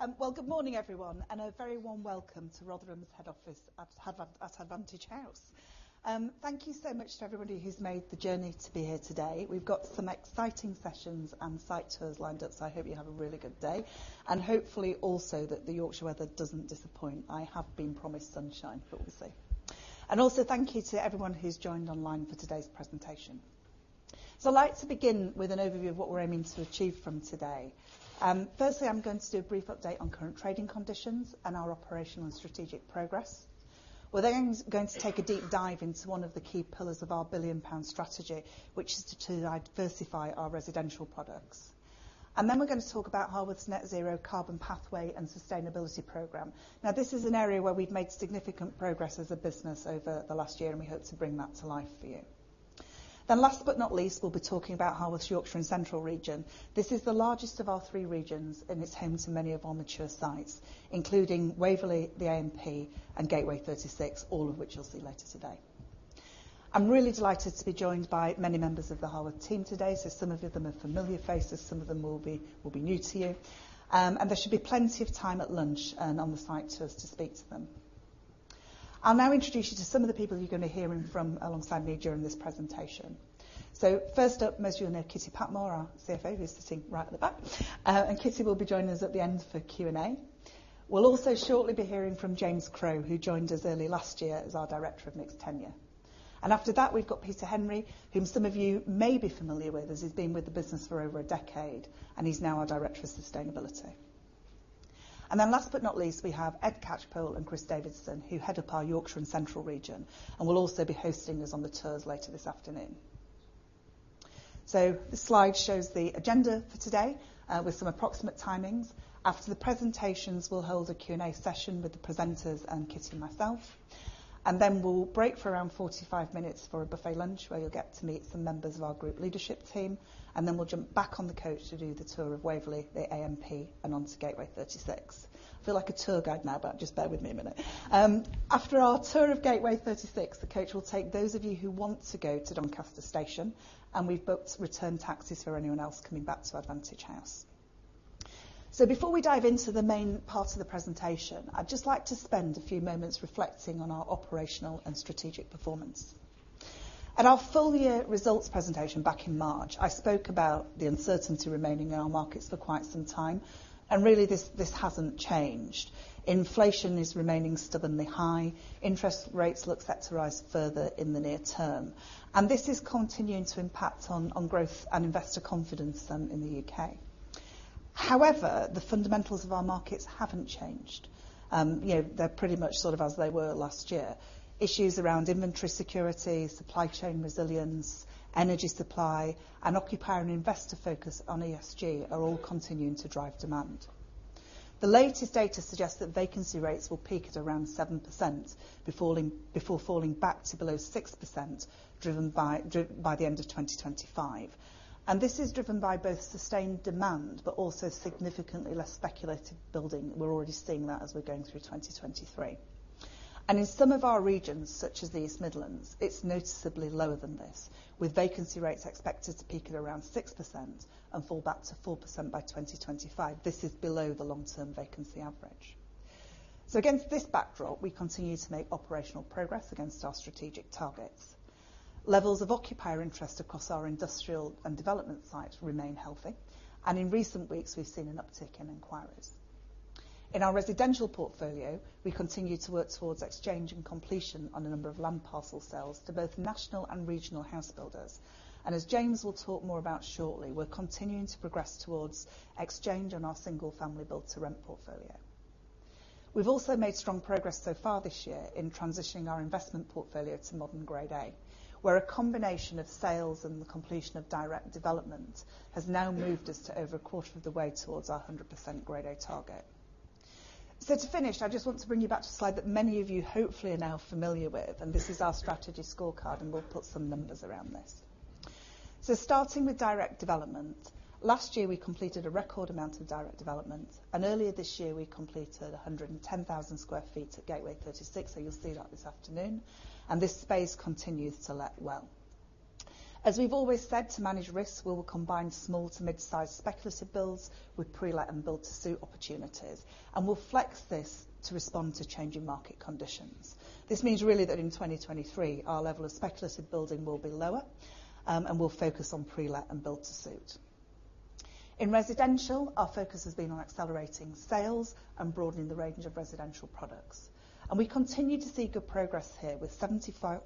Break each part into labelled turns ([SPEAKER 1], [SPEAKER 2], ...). [SPEAKER 1] Thank you. Thank you. Okay, good morning, everyone, a very warm welcome to Harworth's head office at Advantage House. Thank you so much to everybody who's made the journey to be here today. We've got some exciting sessions and site tours lined up. I hope you have a really good day, hopefully also that the Yorkshire weather doesn't disappoint. I have been promised sunshine, we'll see. Also thank you to everyone who's joined online for today's presentation. I'd like to begin with an overview of what we're aiming to achieve from today. Firstly, I'm going to do a brief update on current trading conditions and our operational and strategic progress. We're going to take a deep dive into one of the key pillars of our billion-pound strategy, which is to diversify our residential products. We're going to talk about Harworth's net zero carbon pathway and sustainability program. Now, this is an area where we've made significant progress as a business over the last year, and we hope to bring that to life for you. Last but not least, we'll be talking about Harworth's Yorkshire and Central region. This is the largest of our three regions, and it's home to many of our mature sites, including Waverley, The AMP, and Gateway 36, all of which you'll see later today. I'm really delighted to be joined by many members of the Harworth team today. Some of them are familiar faces, some of them will be new to you. There should be plenty of time at lunch and on the site tours to speak to them. I'll now introduce you to some of the people you're going to be hearing from alongside me during this presentation. First up, most of you will know Kitty Patmore, our CFO, who's sitting right at the back. Kitty will be joining us at the end for Q&A. We'll also shortly be hearing from James Crowe, who joined us early last year as our Director of Mixed Tenure. After that, we've got Pete Henry, whom some of you may be familiar with, as he's been with the business for over a decade, and he's now our Director of Sustainability. Last but not least, we have Ed Cathcart and Chris Davidson, who head up our Yorkshire and Central region, and will also be hosting us on the tours later this afternoon. This slide shows the agenda for today, with some approximate timings. After the presentations, we'll hold a Q&A session with the presenters and Kitty and myself, and then we'll break for around 45 minutes for a buffet lunch, where you'll get to meet some members of our group leadership team, and then we'll jump back on the coach to do the tour of Waverley, The AMP, and onto Gateway 36. I feel like a tour guide now, but just bear with me one minute. After our tour of Gateway 36, the coach will take those of you who want to go to Doncaster Station, and we've booked return taxis for anyone else coming back to Advantage House. Before we dive into the main part of the presentation, I'd just like to spend a few moments reflecting on our operational and strategic performance. At our full year results presentation back in March, I spoke about the uncertainty remaining in our markets for quite some time, really, this hasn't changed. Inflation is remaining stubbornly high. Interest rates look set to rise further in the near term, this is continuing to impact on growth and investor confidence in the U.K. However, the fundamentals of our markets haven't changed. You know, they're pretty much sort of as they were last year. Issues around inventory security, supply chain resilience, energy supply, and occupier and investor focus on ESG are all continuing to drive demand. The latest data suggests that vacancy rates will peak at around 7%, before falling back to below 6%, driven by the end of 2025. This is driven by both sustained demand, but also significantly less speculative building. We're already seeing that as we're going through 2023. In some of our regions, such as the East Midlands, it's noticeably lower than this, with vacancy rates expected to peak at around 6% and fall back to 4% by 2025. This is below the long-term vacancy average. Against this backdrop, we continue to make operational progress against our strategic targets. Levels of occupier interest across our industrial and development sites remain healthy, and in recent weeks, we've seen an uptick in inquiries. In our residential portfolio, we continue to work towards exchange and completion on a number of land parcel sales to both national and regional housebuilders. As James Crowe will talk more about shortly, we're continuing to progress towards exchange on our single-family build-to-rent portfolio. We've also made strong progress so far this year in transitioning our investment portfolio to modern Grade A, where a combination of sales and the completion of direct developments has now moved us to over a quarter of the way towards our 100% Grade A target. To finish, I just want to bring you back to a slide that many of you hopefully are now familiar with. This is our strategy scorecard. We'll put some numbers around this. Starting with direct development. Last year, we completed a record amount of direct development. Earlier this year, we completed 110,000 sq ft at Gateway 36. You'll see that this afternoon. This space continues to let well. As we've always said, to manage risks, we will combine small to mid-sized speculative builds with pre-let and build-to-suit opportunities, and we'll flex this to respond to changing market conditions. This means really that in 2023, our level of speculative building will be lower, and we'll focus on pre-let and build-to-suit. In residential, our focus has been on accelerating sales and broadening the range of residential products, and we continue to see good progress here with 74%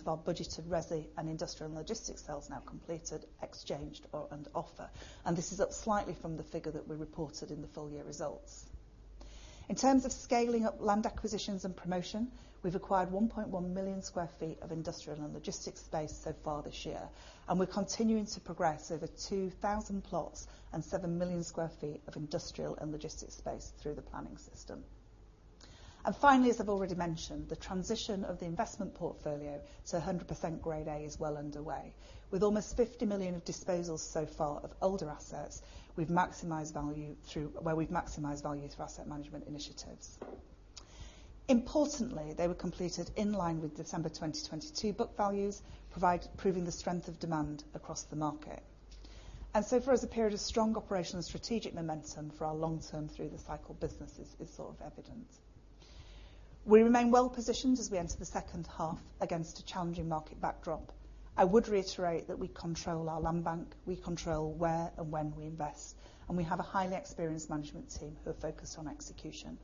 [SPEAKER 1] of our budgeted resi and industrial and logistics sales now completed, exchanged, or, and offer. This is up slightly from the figure that we reported in the full year results. In terms of scaling up land acquisitions and promotion, we've acquired 1.1 million sq ft of industrial and logistics space so far this year. We're continuing to progress over 2,000 plots and 7 million sq ft of industrial and logistics space through the planning system. Finally, as I've already mentioned, the transition of the investment portfolio to 100% Grade A is well underway. With almost 50 million of disposals so far of older assets, we've maximized value through asset management initiatives. Importantly, they were completed in line with December 2022. Book values provide proving the strength of demand across the market. For us, a period of strong operational and strategic momentum for our long-term through the cycle businesses is sort of evidence. We remain well-positioned as we enter the second half against a challenging market backdrop. I would reiterate that we control our land bank, we control where and when we invest, and we have a highly experienced management team who are focused on execution.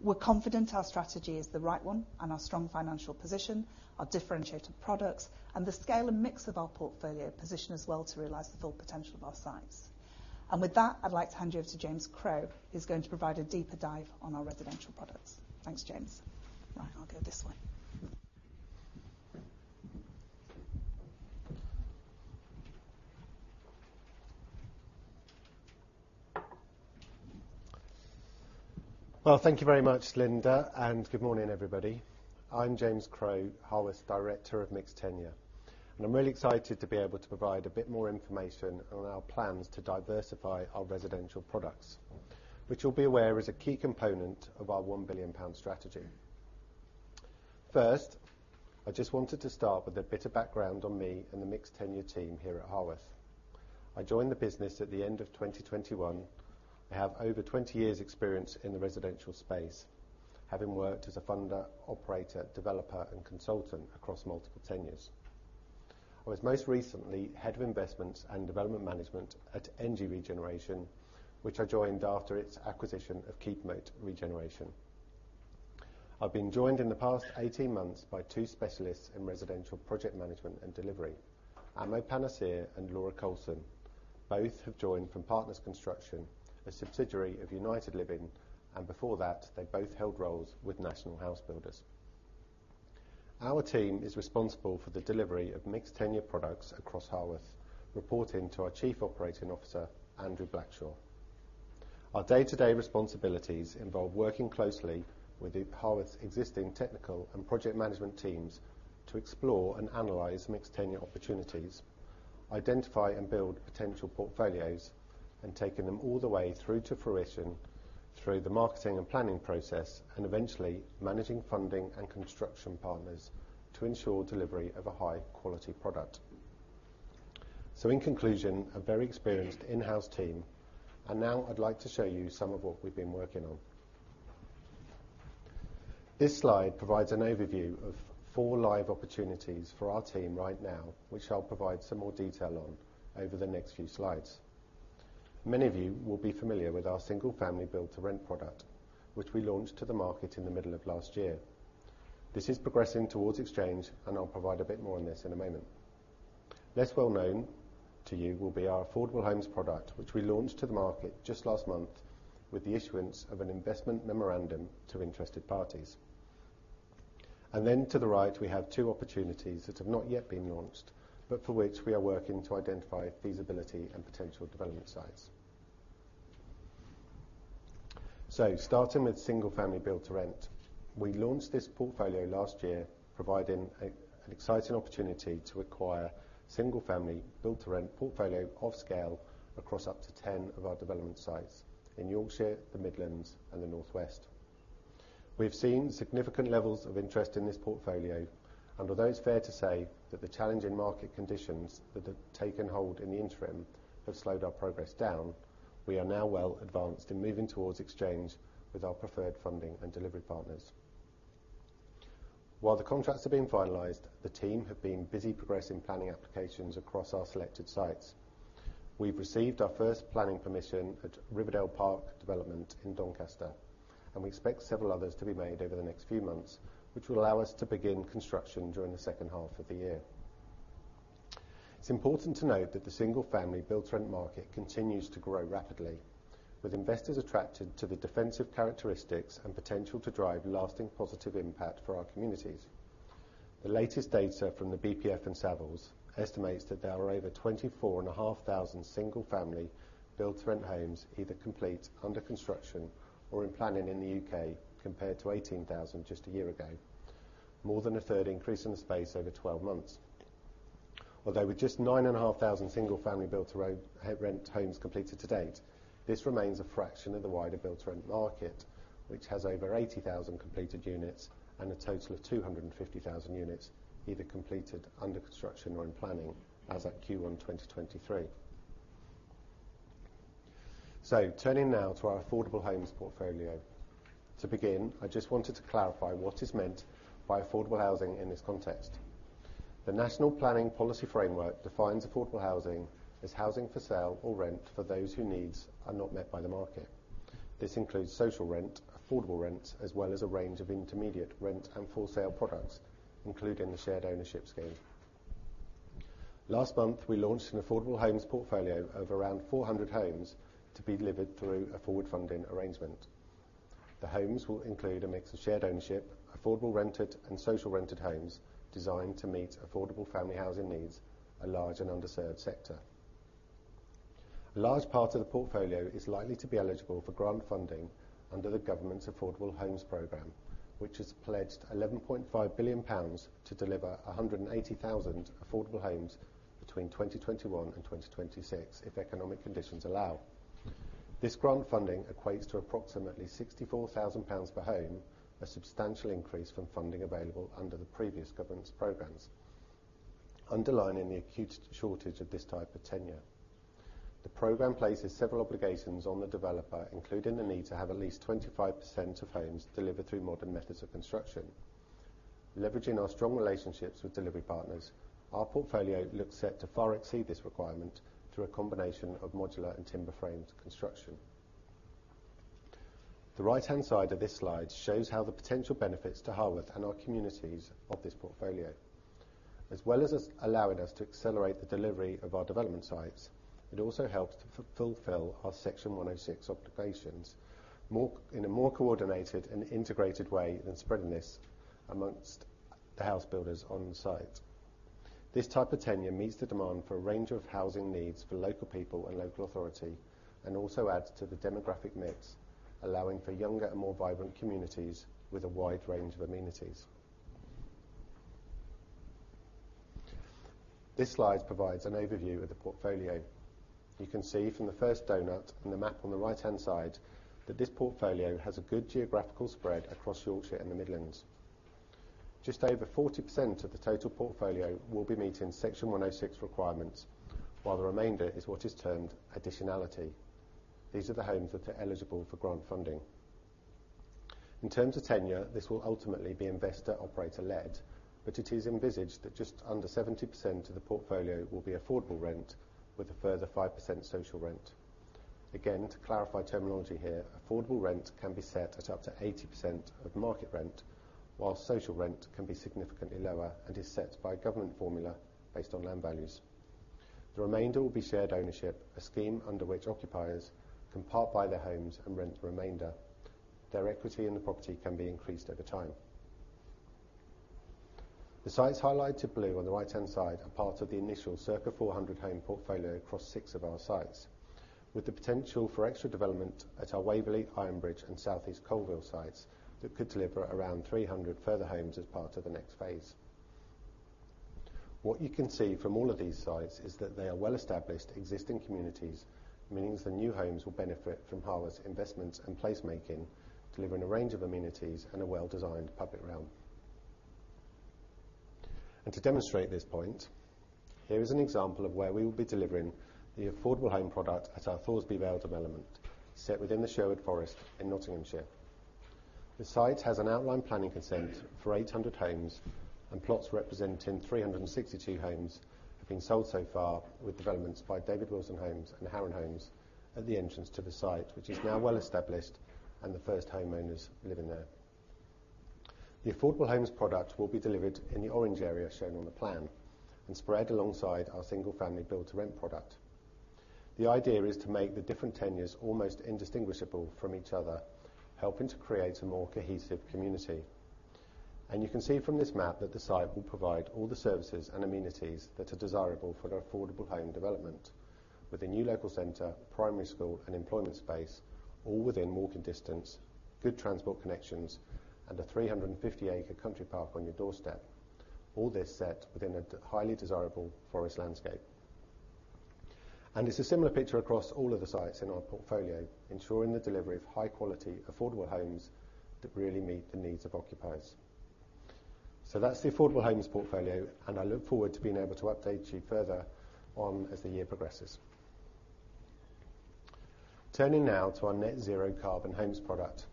[SPEAKER 1] We're confident our strategy is the right one, and our strong financial position, our differentiated products, and the scale and mix of our portfolio position us well to realize the full potential of our sites. With that, I'd like to hand you over to James Crowe, who's going to provide a deeper dive on our residential products. Thanks, James Crowe. Right, I'll go this way.
[SPEAKER 2] Well, thank you very much, Lynda, and good morning, everybody. I'm James Crowe, Harworth's Director of Mixed Tenure. I'm really excited to be able to provide a bit more information on our plans to diversify our residential products, which you'll be aware is a key component of our 1 billion pound strategy. First, I just wanted to start with a bit of background on me and the mixed tenure team here at Harworth. I joined the business at the end of 2021. I have over 20 years' experience in the residential space, having worked as a funder, operator, developer, and consultant across multiple tenures. I was most recently head of investments and development management at ENGIE Regeneration, which I joined after its acquisition of Keepmoat Regeneration. I've been joined in the past 18 months by two specialists in residential project management and delivery, Amardeep (Amo) Panesar and Laura Coulson. Both have joined from Partner Construction, a subsidiary of United Living. Before that, they both held roles with National Housebuilders. Our team is responsible for the delivery of mixed-tenure products across Harworth, reporting to our Chief Operating Officer, Andrew Blackshaw. Our day-to-day responsibilities involve working closely with the Harworth's existing technical and project management teams to explore and analyze mixed-tenure opportunities, identify and build potential portfolios, and taking them all the way through to fruition through the marketing and planning process, and eventually managing funding and construction partners to ensure delivery of a high-quality product. In conclusion, a very experienced in-house team. Now I'd like to show you some of what we've been working on. This slide provides an overview of four live opportunities for our team right now, which I'll provide some more detail on over the next few slides. Many of you will be familiar with our single-family build-to-rent product, which we launched to the market in the middle of last year. This is progressing towards exchange, and I'll provide a bit more on this in a moment. Less well known to you will be our affordable homes product, which we launched to the market just last month with the issuance of an investment memorandum to interested parties. To the right, we have two opportunities that have not yet been launched, but for which we are working to identify feasibility and potential development sites. Starting with single-family build-to-rent, we launched this portfolio last year, providing an exciting opportunity to acquire single-family build-to-rent portfolio of scale across up to 10 of our development sites in Yorkshire, the Midlands, and the Northwest. Although it's fair to say that the challenging market conditions that have taken hold in the interim have slowed our progress down, we are now well advanced in moving towards exchange with our preferred funding and delivery partners. While the contracts are being finalized, the team have been busy progressing planning applications across our selected sites. We've received our first planning permission at Riverdale Park Development in Doncaster, and we expect several others to be made over the next few months, which will allow us to begin construction during the second half of the year. It's important to note that the single-family build-to-rent market continues to grow rapidly, with investors attracted to the defensive characteristics and potential to drive lasting positive impact for our communities. The latest data from the BPF and Savills estimates that there are over 24,500 single-family build-to-rent homes, either complete, under construction, or in planning in the U.K., compared to 18,000 just a year ago. More than a third increase in the space over 12 months. Although with just 9,500 single-family build-to-rent homes completed to date, this remains a fraction of the wider build-to-rent market, which has over 80,000 completed units and a total of 250,000 units either completed, under construction, or in planning as at Q1 2023. Turning now to our affordable homes portfolio. To begin, I just wanted to clarify what is meant by affordable housing in this context. The National Planning Policy Framework defines affordable housing as housing for sale or rent for those whose needs are not met by the market. This includes social rent, affordable rent, as well as a range of intermediate rent and for sale products, including the shared ownership scheme. Last month, we launched an affordable homes portfolio of around 400 homes to be delivered through a forward funding arrangement. The homes will include a mix of shared ownership, affordable rented, and social rented homes designed to meet affordable family housing needs, a large and underserved sector. A large part of the portfolio is likely to be eligible for grant funding under the Government's Affordable Homes Programme, which has pledged GBP 11.5 billion to deliver 180,000 affordable homes-... between 2021 and 2026, if economic conditions allow. This grant funding equates to approximately 64,000 pounds per home, a substantial increase from funding available under the previous government's programs, underlining the acute shortage of this type of tenure. The program places several obligations on the developer, including the need to have at least 25% of homes delivered through modern methods of construction. Leveraging our strong relationships with delivery partners, our portfolio looks set to far exceed this requirement through a combination of modular and timber framed construction. The right-hand side of this slide shows how the potential benefits to Harworth and our communities of this portfolio. As well as us, allowing us to accelerate the delivery of our development sites, it also helps to fulfill our Section 106 obligations, in a more coordinated and integrated way than spreading this amongst the house builders on site. This type of tenure meets the demand for a range of housing needs for local people and local authority, and also adds to the demographic mix, allowing for younger and more vibrant communities with a wide range of amenities. This slide provides an overview of the portfolio. You can see from the first donut and the map on the right-hand side, that this portfolio has a good geographical spread across Yorkshire and the Midlands. Just over 40% of the total portfolio will be meeting Section 106 requirements, while the remainder is what is termed additionality. These are the homes that are eligible for grant funding. In terms of tenure, this will ultimately be investor operator-led, but it is envisaged that just under 70% of the portfolio will be affordable rent, with a further 5% social rent. To clarify terminology here, affordable rent can be set at up to 80% of market rent, while social rent can be significantly lower and is set by a government formula based on land values. The remainder will be shared ownership, a scheme under which occupiers can part-buy their homes and rent the remainder. Their equity in the property can be increased over time. The sites highlighted blue on the right-hand side are part of the initial circa 400 home portfolio across six of our sites, with the potential for extra development at our Waverley, Ironbridge, and South East Coalville sites that could deliver around 300 further homes as part of the next phase. What you can see from all of these sites is that they are well-established, existing communities, meaning the new homes will benefit from Harworth investments and placemaking, delivering a range of amenities and a well-designed public realm. To demonstrate this point, here is an example of where we will be delivering the affordable home product at our Thoresby Vale development, set within the Sherwood Forest in Nottinghamshire. The site has an outline planning consent for 800 homes, plots representing 362 homes have been sold so far, with developments by David Wilson Homes and Harron Homes at the entrance to the site, which is now well established, and the first homeowners living there. The affordable homes product will be delivered in the orange area shown on the plan and spread alongside our single-family build-to-rent product. The idea is to make the different tenures almost indistinguishable from each other, helping to create a more cohesive community. You can see from this map that the site will provide all the services and amenities that are desirable for an affordable home development, with a new local center, primary school, and employment space, all within walking distance, good transport connections, and a 350 acres country park on your doorstep. All this set within a highly desirable forest landscape. It's a similar picture across all of the sites in our portfolio, ensuring the delivery of high quality, affordable homes that really meet the needs of occupiers. That's the affordable homes portfolio, and I look forward to being able to update you further on as the year progresses. Turning now to our net zero carbon homes product,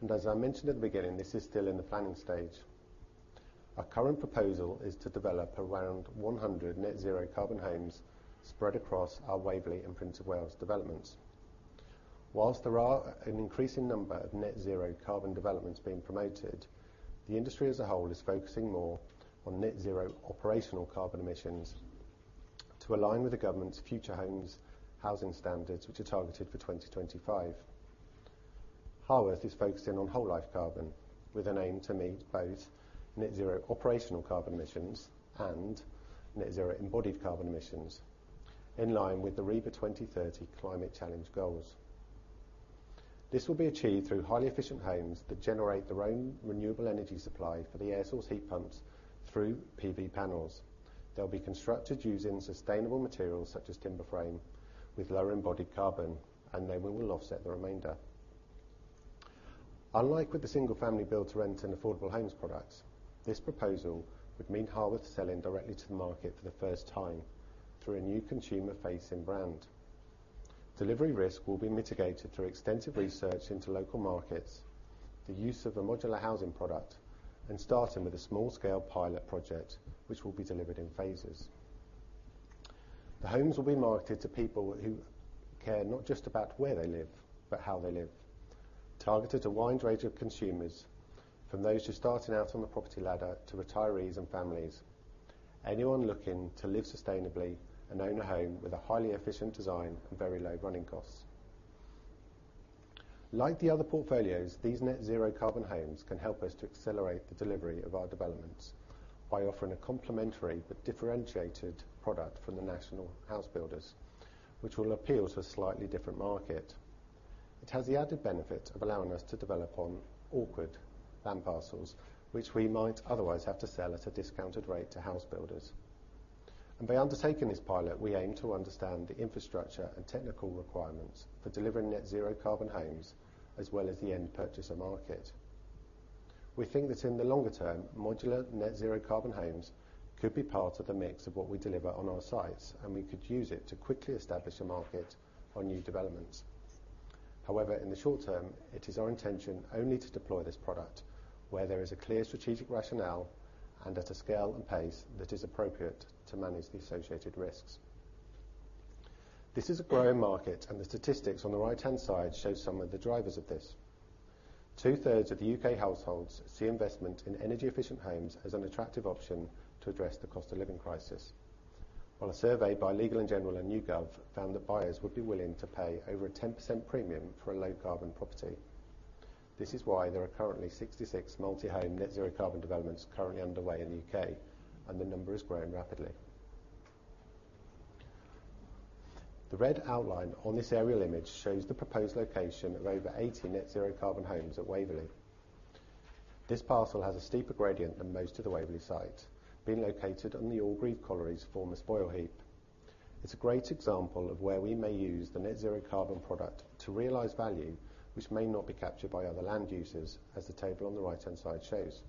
[SPEAKER 2] and as I mentioned at the beginning, this is still in the planning stage. Our current proposal is to develop around 100 net zero carbon homes spread across our Waverley and Prince of Wales developments. Whilst there are an increasing number of net zero carbon developments being promoted, the industry as a whole is focusing more on net zero operational carbon emissions to align with the government's Future Homes standard, which are targeted for 2025. Harworth is focusing on whole life carbon, with an aim to meet both net zero operational carbon emissions and net zero embodied carbon emissions, in line with the RIBA 2030 Climate Challenge goals. This will be achieved through highly efficient homes that generate their own renewable energy supply for the air source heat pumps through PV panels. They'll be constructed using sustainable materials such as timber frame with lower embodied carbon, and then we will offset the remainder. Unlike with the single-family build-to-rent and affordable homes products, this proposal would mean Harworth selling directly to the market for the first time through a new consumer-facing brand. Delivery risk will be mitigated through extensive research into local markets, the use of a modular housing product, and starting with a small-scale pilot project, which will be delivered in phases. The homes will be marketed to people who care not just about where they live, but how they live. Targeted to a wide range of consumers, from those just starting out on the property ladder to retirees and families, anyone looking to live sustainably and own a home with a highly efficient design and very low running costs. Like the other portfolios, these net zero carbon homes can help us to accelerate the delivery of our developments by offering a complementary but differentiated product from the national house builders, which will appeal to a slightly different market. It has the added benefit of allowing us to develop on awkward land parcels, which we might otherwise have to sell at a discounted rate to house builders. By undertaking this pilot, we aim to understand the infrastructure and technical requirements for delivering net zero carbon homes, as well as the end purchaser market. We think that in the longer term, modular net zero carbon homes could be part of the mix of what we deliver on our sites, and we could use it to quickly establish a market for new developments. However, in the short term, it is our intention only to deploy this product where there is a clear strategic rationale and at a scale and pace that is appropriate to manage the associated risks. This is a growing market, and the statistics on the right-hand side show some of the drivers of this. Two-thirds of U.K. households see investment in energy-efficient homes as an attractive option to address the cost of living crisis. While a survey by Legal & General and YouGov found that buyers would be willing to pay over a 10% premium for a low-carbon property. This is why there are currently 66 multi-home net zero carbon developments currently underway in the U.K., and the number is growing rapidly. The red outline on this aerial image shows the proposed location of over 80 net zero carbon homes at Waverley. This parcel has a steeper gradient than most of the Waverley site, being located on the Orgreave Colliery former spoil heap. It's a great example of where we may use the net zero carbon product to realize value, which may not be captured by other land users, as the table on the right-hand side shows.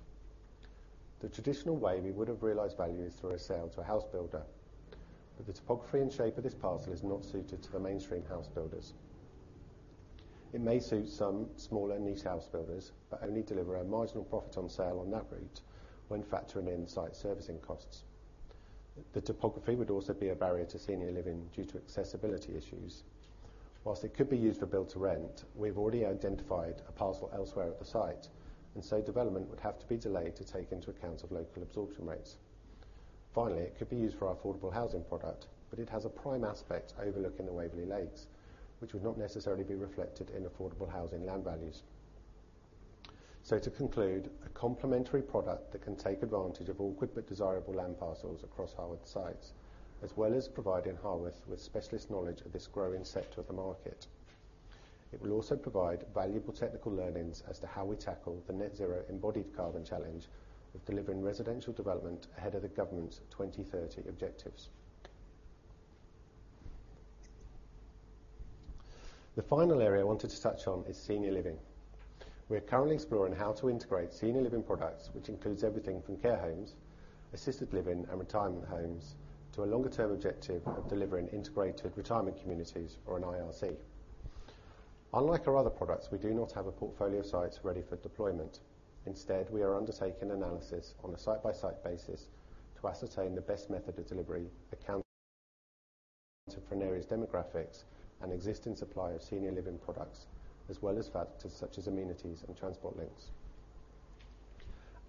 [SPEAKER 2] The traditional way we would have realized value is through a sale to a house builder, but the topography and shape of this parcel is not suited to the mainstream house builders. It may suit some smaller niche house builders, but only deliver a marginal profit on sale on that route when factoring in site servicing costs. The topography would also be a barrier to senior living due to accessibility issues. It could be used for build-to-rent, we've already identified a parcel elsewhere at the site. Development would have to be delayed to take into account of local absorption rates. Finally, it could be used for our affordable housing product, but it has a prime aspect overlooking the Waverley Lakes, which would not necessarily be reflected in affordable housing land values. To conclude, a complementary product that can take advantage of awkward but desirable land parcels across Harworth sites, as well as providing Harworth with specialist knowledge of this growing sector of the market. It will also provide valuable technical learnings as to how we tackle the net zero embodied carbon challenge of delivering residential development ahead of the government's 2030 objectives. The final area I wanted to touch on is senior living. We are currently exploring how to integrate senior living products, which includes everything from care homes, assisted living, and retirement homes, to a longer-term objective of delivering integrated retirement communities or an IRC. Unlike our other products, we do not have a portfolio of sites ready for deployment. Instead, we are undertaking analysis on a site-by-site basis to ascertain the best method of delivery, accounting for an area's demographics and existing supply of senior living products, as well as factors such as amenities and transport links.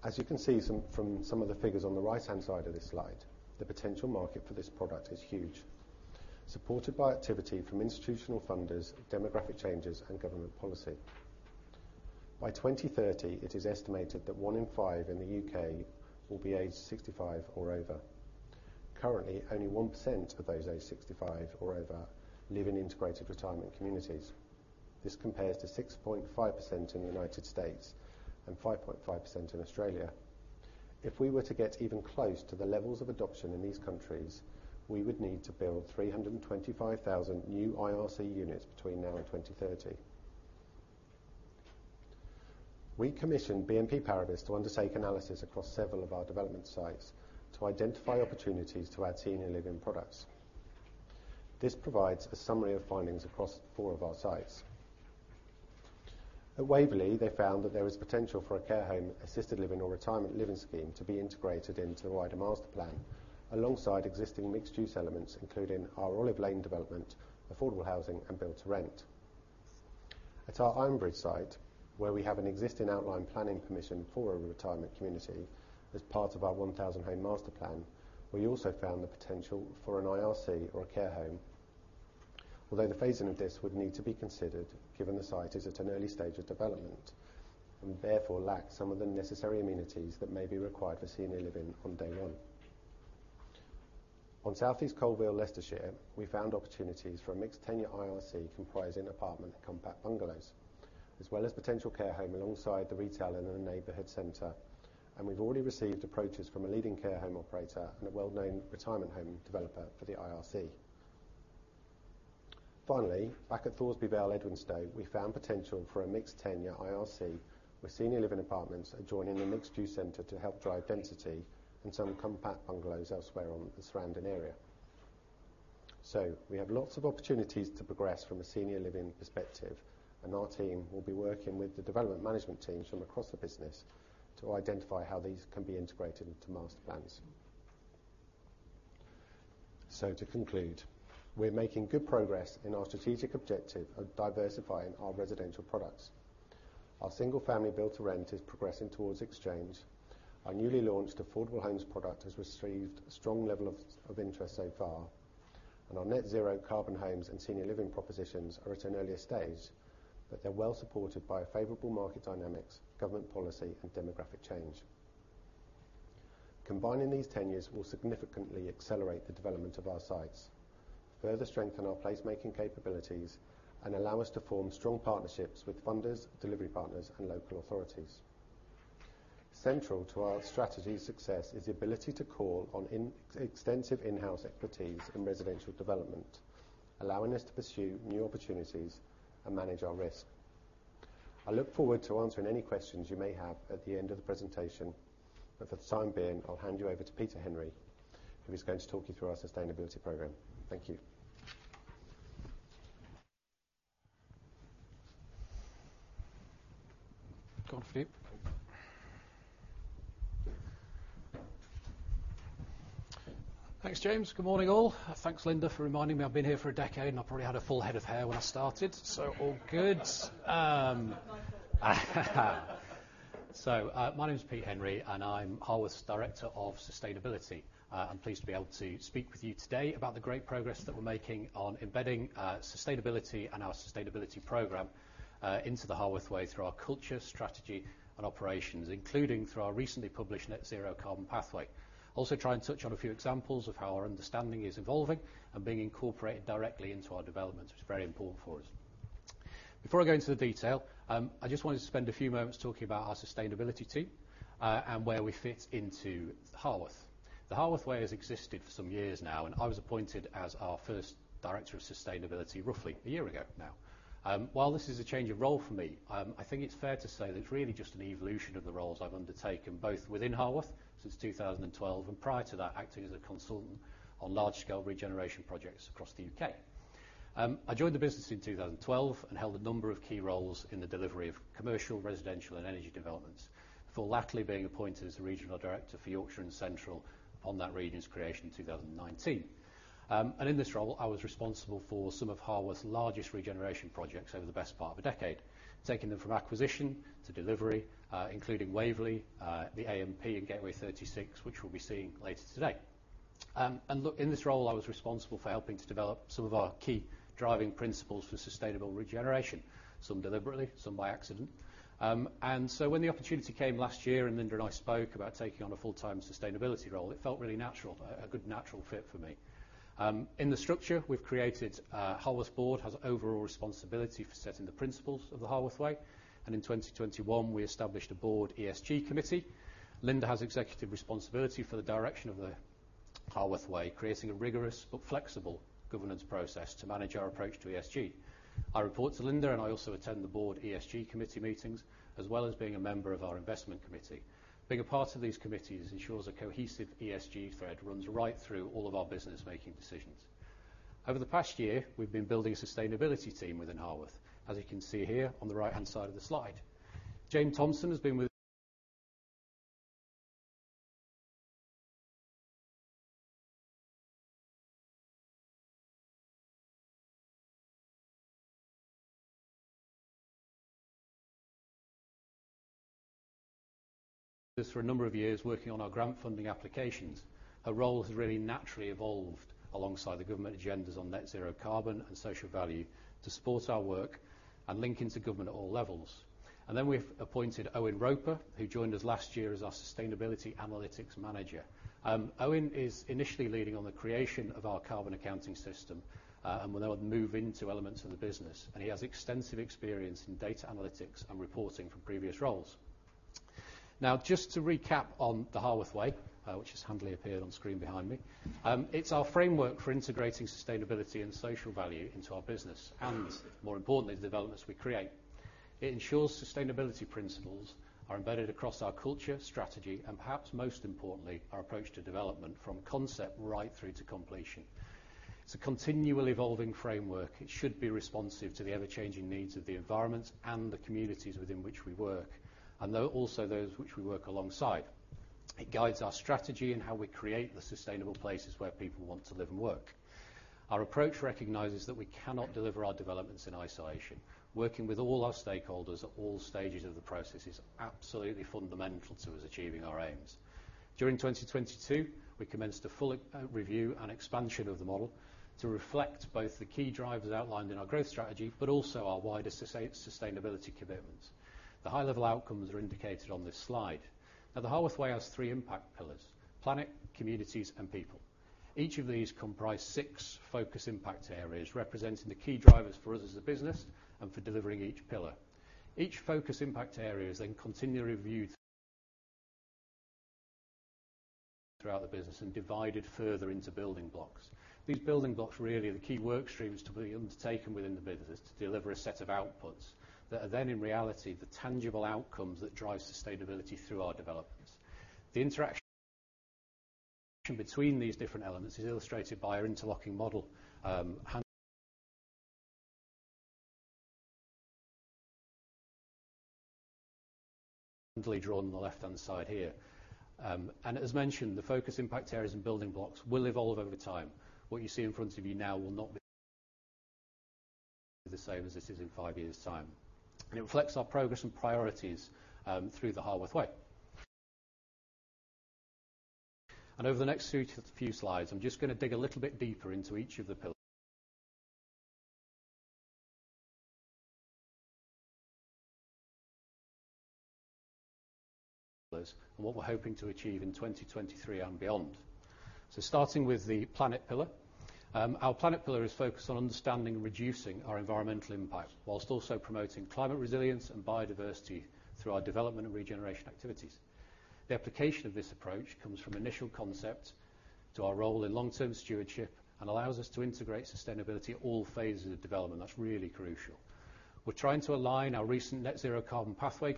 [SPEAKER 2] As you can see some, from some of the figures on the right-hand side of this slide, the potential market for this product is huge, supported by activity from institutional funders, demographic changes, and government policy. By 2030, it is estimated that one in five in the U.K. will be aged 65 or over. Currently, only 1% of those aged 65 or over live in integrated retirement communities. This compares to 6.5% in the United States and 5.5% in Australia. If we were to get even close to the levels of adoption in these countries, we would need to build 325,000 new IRC units between now and 2030. We commissioned BNP Paribas to undertake analysis across several of our development sites to identify opportunities to add senior living products. This provides a summary of findings across four of our sites. At Waverley, they found that there was potential for a care home, assisted living, or retirement living scheme to be integrated into the wider master plan, alongside existing mixed-use elements, including our Olive Lane development, affordable housing, and build to rent. At our Ironbridge site, where we have an existing outline planning permission for a retirement community as part of our 1,000 home master plan, we also found the potential for an IRC or a care home. The phasing of this would need to be considered, given the site is at an early stage of development, and therefore lacks some of the necessary amenities that may be required for senior living on day one. On South East Coalville, Leicestershire, we found opportunities for a mixed-tenure IRC comprising apartment and compact bungalows, as well as potential care home alongside the retail and the neighborhood center. We've already received approaches from a leading care home operator and a well-known retirement home developer for the IRC. Finally, back at Thoresby Vale, Edwinstowe, we found potential for a mixed-tenure IRC, where senior living apartments are joining the mixed-use center to help drive density and some compact bungalows elsewhere on the surrounding area. We have lots of opportunities to progress from a senior living perspective, and our team will be working with the development management teams from across the business to identify how these can be integrated into master plans. To conclude, we're making good progress in our strategic objective of diversifying our residential products. Our single-family build-to-rent is progressing towards exchange. Our newly launched affordable homes product has received a strong level of interest so far, and our net zero carbon homes and senior living propositions are at an earlier stage, but they're well supported by favorable market dynamics, government policy, and demographic change. Combining these tenures will significantly accelerate the development of our sites, further strengthen our placemaking capabilities, and allow us to form strong partnerships with funders, delivery partners, and local authorities. Central to our strategy success is the ability to call on extensive in-house expertise in residential development, allowing us to pursue new opportunities and manage our risk. I look forward to answering any questions you may have at the end of the presentation, but for the time being, I'll hand you over to Peter Henry, who is going to talk you through our sustainability program. Thank you.
[SPEAKER 3] Go on, Pete. Thanks, James Crowe. Good morning, all. Thanks, Linda, for reminding me I've been here for a decade, and I probably had a full head of hair when I started, so all good. My name is Pete Henry, and I'm Harworth's Director of Sustainability. I'm pleased to be able to speak with you today about the great progress that we're making on embedding sustainability and our sustainability program into the Harworth Way through our culture, strategy, and operations, including through our recently published Net Zero Carbon Pathway. Also, try and touch on a few examples of how our understanding is evolving and being incorporated directly into our developments, which is very important for us. Before I go into the detail, I just wanted to spend a few moments talking about our sustainability team, and where we fit into Harworth. The Harworth Way has existed for some years now, and I was appointed as our first Director of Sustainability, roughly a year ago now. While this is a change of role for me, I think it's fair to say that it's really just an evolution of the roles I've undertaken, both within Harworth since 2012, and prior to that, acting as a consultant on large-scale regeneration projects across the UK. I joined the business in 2012 and held a number of key roles in the delivery of commercial, residential, and energy developments. Before lately, being appointed as the Regional Director for Yorkshire and Central on that region's creation in 2019. In this role, I was responsible for some of Harworth's largest regeneration projects over the best part of a decade, taking them from acquisition to delivery, including Waverley, the AMP, and Gateway 36, which we'll be seeing later today. Look, in this role, I was responsible for helping to develop some of our key driving principles for sustainable regeneration, some deliberately, some by accident. When the opportunity came last year, and Lynda and I spoke about taking on a full-time sustainability role, it felt really natural, a good natural fit for me. In the structure we've created, Harworth Board has overall responsibility for setting the principles of the Harworth Way, and in 2021, we established a board ESG committee. Lynda has executive responsibility for the direction of the Harworth Way, creating a rigorous but flexible governance process to manage our approach to ESG. I report to Lynda, and I also attend the board ESG committee meetings, as well as being a member of our investment committee. Being a part of these committees ensures a cohesive ESG thread runs right through all of our business-making decisions. Over the past year, we've been building a sustainability team within Harworth, as you can see here on the right-hand side of the slide. Jane Thompson has been with- us for a number of years working on our grant funding applications. Her role has really naturally evolved alongside the government agendas on net zero carbon and social value to support our work and link into government at all levels. We've appointed Owain Roper, who joined us last year as our Sustainability Analytics Manager. Owain is initially leading on the creation of our carbon accounting system and will then move into elements of the business. He has extensive experience in data analytics and reporting from previous roles. Just to recap on the Harworth Way, which has handily appeared on screen behind me. It's our framework for integrating sustainability and social value into our business, and more importantly, the developments we create. It ensures sustainability principles are embedded across our culture, strategy, and perhaps most importantly, our approach to development from concept right through to completion. It's a continually evolving framework. It should be responsive to the ever-changing needs of the environment and the communities within which we work, and though also those which we work alongside. It guides our strategy and how we create the sustainable places where people want to live and work. Our approach recognizes that we cannot deliver our developments in isolation. Working with all our stakeholders at all stages of the process is absolutely fundamental to us achieving our aims. During 2022, we commenced a full review and expansion of the model to reflect both the key drivers outlined in our growth strategy, but also our wider sustainability commitments. The high-level outcomes are indicated on this slide. The Harworth Way has three impact pillars: planet, communities, and people. Each of these comprise six focus impact areas, representing the key drivers for us as a business and for delivering each pillar. Each focus impact area is continually reviewed throughout the business and divided further into building blocks. These building blocks really are the key work streams to be undertaken within the business to deliver a set of outputs, that are then, in reality, the tangible outcomes that drive sustainability through our developments. The interaction between these different elements is illustrated by our interlocking model, hand- drawn on the left-hand side here. As mentioned, the focus impact areas and building blocks will evolve over time. What you see in front of you now will not be the same as this is in years years' time. It reflects our progress and priorities through the Harworth Way. Over the next two, few slides, I'm just going to dig a little bit deeper into each of the pillars. And what we're hoping to achieve in 2023 and beyond. Starting with the planet pillar. Our planet pillar is focused on understanding and reducing our environmental impact, while also promoting climate resilience and biodiversity through our development and regeneration activities. The application of this approach comes from initial concept to our role in long-term stewardship, and allows us to integrate sustainability at all phases of development. That's really crucial. We're trying to align our recent net zero carbon pathway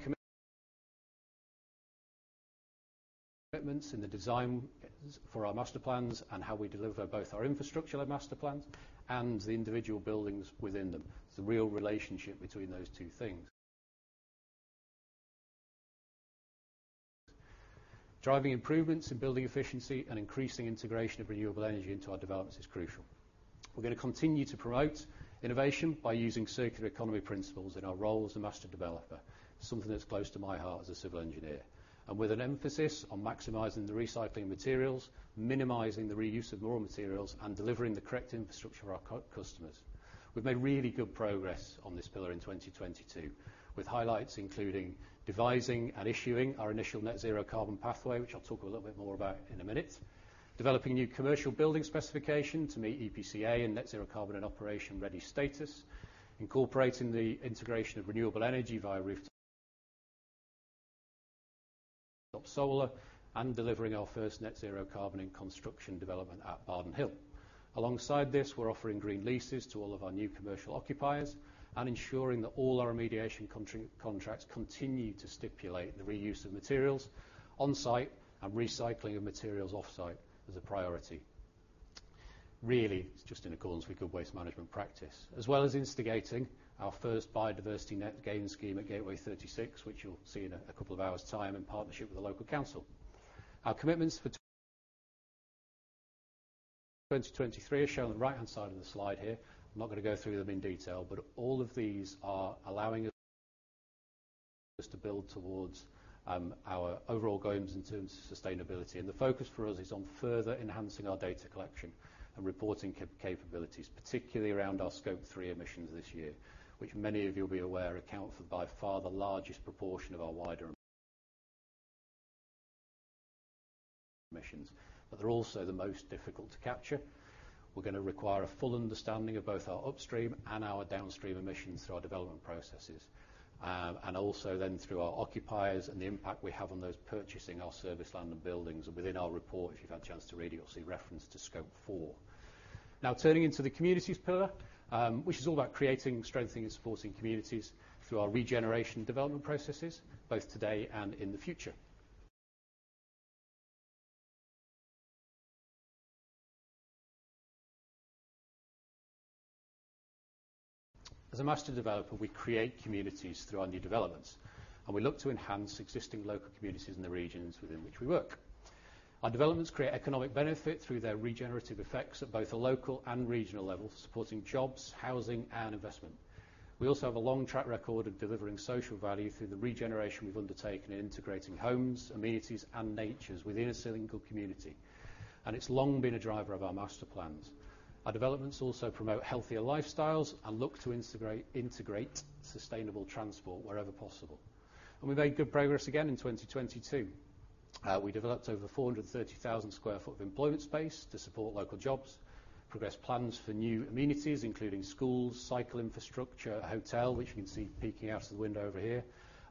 [SPEAKER 3] commitments in the design for our master plans, and how we deliver both our infrastructure master plans and the individual buildings within them. It's a real relationship between those two things. Driving improvements in building efficiency and increasing integration of renewable energy into our developments is crucial. We're going to continue to promote innovation by using circular economy principles in our role as a master developer, something that's close to my heart as a civil engineer, and with an emphasis on maximizing the recycling materials, minimizing the reuse of raw materials, and delivering the correct infrastructure for our customers. We've made really good progress on this pillar in 2022, with highlights including devising and issuing our initial net zero carbon pathway, which I'll talk a little bit more about in a minute. Developing new commercial building specification to meet EPC A and net zero carbon and operation ready status. Incorporating the integration of renewable energy via rooftop solar, and delivering our first net zero carbon in construction development at Bardon Hill. Alongside this, we're offering green leases to all of our new commercial occupiers and ensuring that all our remediation contracts continue to stipulate the reuse of materials on-site, and recycling of materials off-site as a priority. Really, it's just in accordance with good waste management practice, as well as instigating our first biodiversity net gain scheme at Gateway 36, which you'll see in a couple of hours' time in partnership with the local council. Our commitments for 2023 are shown on the right-hand side of the slide here. I'm not going to go through them in detail. All of these are allowing us to build towards our overall goals in terms of sustainability. The focus for us is on further enhancing our data collection and reporting capabilities, particularly around our Scope three emissions this year, which many of you will be aware, account for by far the largest proportion of our wider emissions. They're also the most difficult to capture. We're going to require a full understanding of both our upstream and our downstream emissions through our development processes, also then through our occupiers and the impact we have on those purchasing our service land and buildings. Within our report, if you've had a chance to read, you'll see reference to Scope four. Turning into the communities pillar, which is all about creating, strengthening, and supporting communities through our regeneration development processes, both today and in the future. As a master developer, we create communities through our new developments, and we look to enhance existing local communities in the regions within which we work. Our developments create economic benefit through their regenerative effects at both a local and regional level, supporting jobs, housing, and investment. We also have a long track record of delivering social value through the regeneration we've undertaken in integrating homes, amenities, and natures within a single community, and it's long been a driver of our master plans. Our developments also promote healthier lifestyles and look to integrate sustainable transport wherever possible. We made good progress again in 2022. We developed over 430,000 sq ft of employment space to support local jobs, progressed plans for new amenities, including schools, cycle infrastructure, a hotel, which you can see peeking out of the window over here,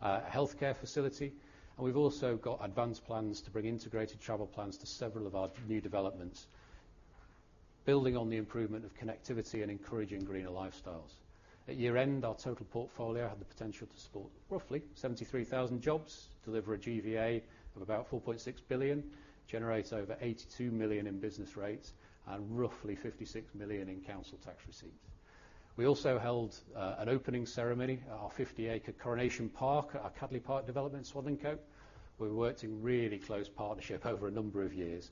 [SPEAKER 3] a healthcare facility, we've also got advanced plans to bring integrated travel plans to several of our new developments, building on the improvement of connectivity and encouraging greener lifestyles. At year-end, our total portfolio had the potential to support roughly 73,000 jobs, deliver a GVA of about 4.6 billion, generate over 82 million in business rates, roughly 56 million in council tax receipts. We also held an opening ceremony at our 50-acre Coronation Park, our Cadley Park development in Swadlincote. We worked in really close partnership over a number of years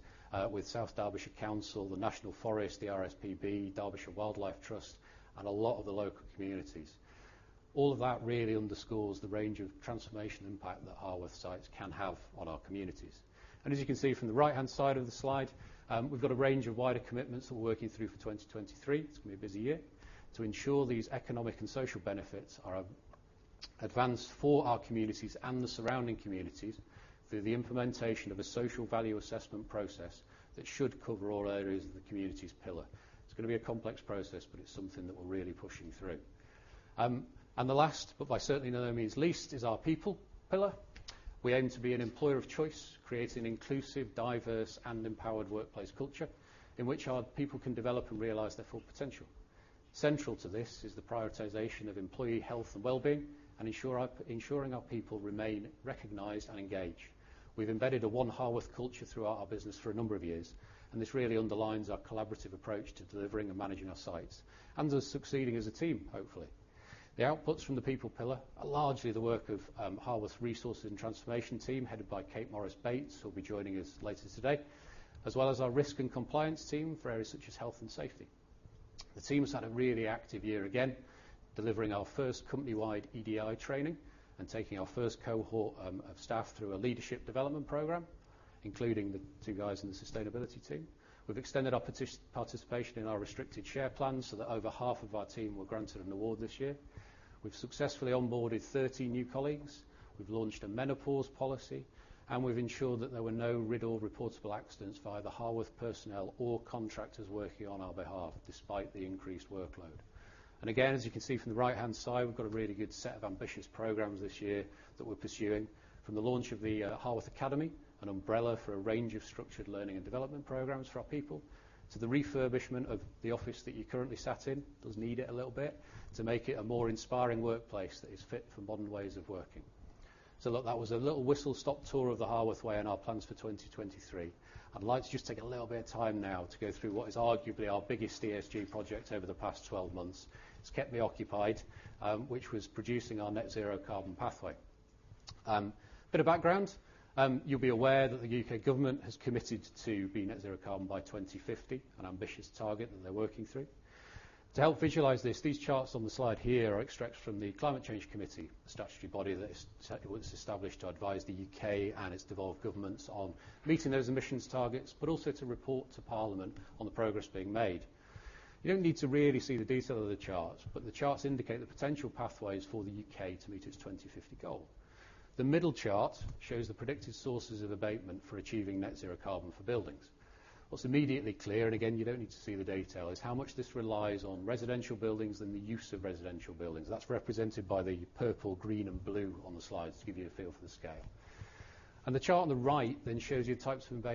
[SPEAKER 3] with South Derbyshire Council, the National Forest, the RSPB, Derbyshire Wildlife Trust, and a lot of the local communities. All of that really underscores the range of transformation impact that Harworth sites can have on our communities. As you can see from the right-hand side of the slide, we've got a range of wider commitments that we're working through for 2023, it's going to be a busy year, to ensure these economic and social benefits are advanced for our communities and the surrounding communities through the implementation of a social value assessment process that should cover all areas of the communities pillar. It's going to be a complex process, but it's something that we're really pushing through. The last, but by certainly no means least, is our people pillar. We aim to be an employer of choice, creating an inclusive, diverse, and empowered workplace culture in which our people can develop and realize their full potential. Central to this is the prioritization of employee health and wellbeing, ensuring our people remain recognized and engaged. We've embedded a One Harworth culture throughout our business for a number of years, this really underlines our collaborative approach to delivering and managing our sites, and they're succeeding as a team, hopefully. The outputs from the people pillar are largely the work of Harworth's Human Resources and Transformation team, headed by Kate Morris-Bates, who will be joining us later today, as well as our Risk and Compliance team for areas such as health and safety. The team has had a really active year again, delivering our first company-wide EDI training and taking our first cohort of staff through a leadership development program, including the two guys in the sustainability team. We've extended our participation in our restricted share plans so that over half of our team were granted an award this year. We've successfully onboarded 13 new colleagues. We've launched a menopause policy, and we've ensured that there were no RIDDOR reportable accidents by either Harworth personnel or contractors working on our behalf, despite the increased workload. Again, as you can see from the right-hand side, we've got a really good set of ambitious programs this year that we're pursuing, from the launch of the Harworth Academy, an umbrella for a range of structured learning and development programs for our people, to the refurbishment of the office that you're currently sat in, does need it a little bit, to make it a more inspiring workplace that is fit for modern ways of working. Look, that was a little whistle-stop tour of the Harworth Way and our plans for 2023. I'd like to just take a little bit of time now to go through what is arguably our biggest ESG project over the past 12 months. It's kept me occupied, which was producing our net zero carbon pathway. A bit of background. You'll be aware that the U.K. government has committed to be net zero carbon by 2050, an ambitious target that they're working through. To help visualize this, these charts on the slide here are extracts from the Climate Change Committee, a statutory body that was established to advise the U.K. and its devolved governments on meeting those emissions targets, also to report to Parliament on the progress being made. You do not need to really see the detail of the charts, the charts indicate the potential pathways for the U.K. to meet its 2050 goal. The middle chart shows the predicted sources of abatement for achieving net zero carbon for buildings. What is immediately clear, again, you do not need to see the detail, is how much this relies on residential buildings and the use of residential buildings. That's represented by the purple, green, and blue on the slides to give you a feel for the scale. The chart on the right then shows you the types of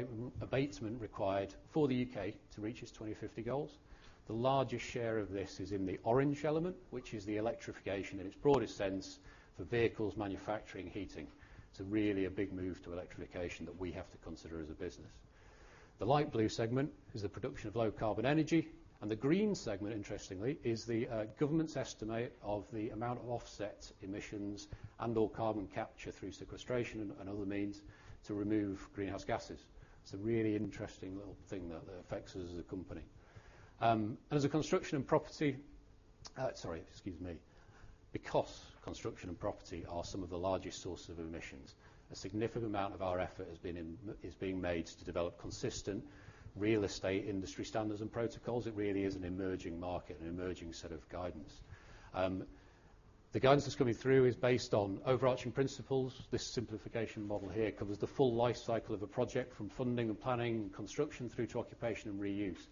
[SPEAKER 3] abatement required for the UK to reach its 2050 goals. The largest share of this is in the orange element, which is the electrification, in its broadest sense, for vehicles, manufacturing, heating. It's really a big move to electrification that we have to consider as a business. The light blue segment is the production of low carbon energy, and the green segment, interestingly, is the government's estimate of the amount of offset emissions and/or carbon capture through sequestration and other means to remove greenhouse gases. It's a really interesting little thing that affects us as a company. As a construction and property. Sorry, excuse me. Because construction and property are some of the largest sources of emissions, a significant amount of our effort is being made to develop consistent real estate industry standards and protocols. It really is an emerging market, an emerging set of guidance. The guidance that's coming through is based on overarching principles. This simplification model here covers the full life cycle of a project, from funding and planning, construction, through to occupation and reuse.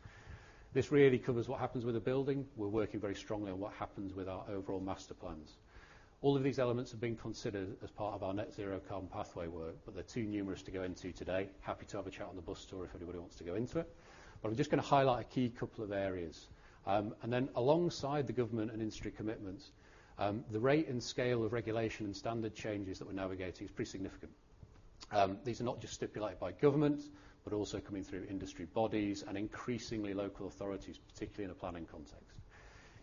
[SPEAKER 3] This really covers what happens with a building. We're working very strongly on what happens with our overall master plans. All of these elements are being considered as part of our net zero carbon pathway work, but they're too numerous to go into today. Happy to have a chat on the bus tour if anybody wants to go into it, but I'm just going to highlight a key couple of areas. Alongside the government and industry commitments, the rate and scale of regulation and standard changes that we're navigating is pretty significant. These are not just stipulated by government, but also coming through industry bodies and increasingly local authorities, particularly in a planning context.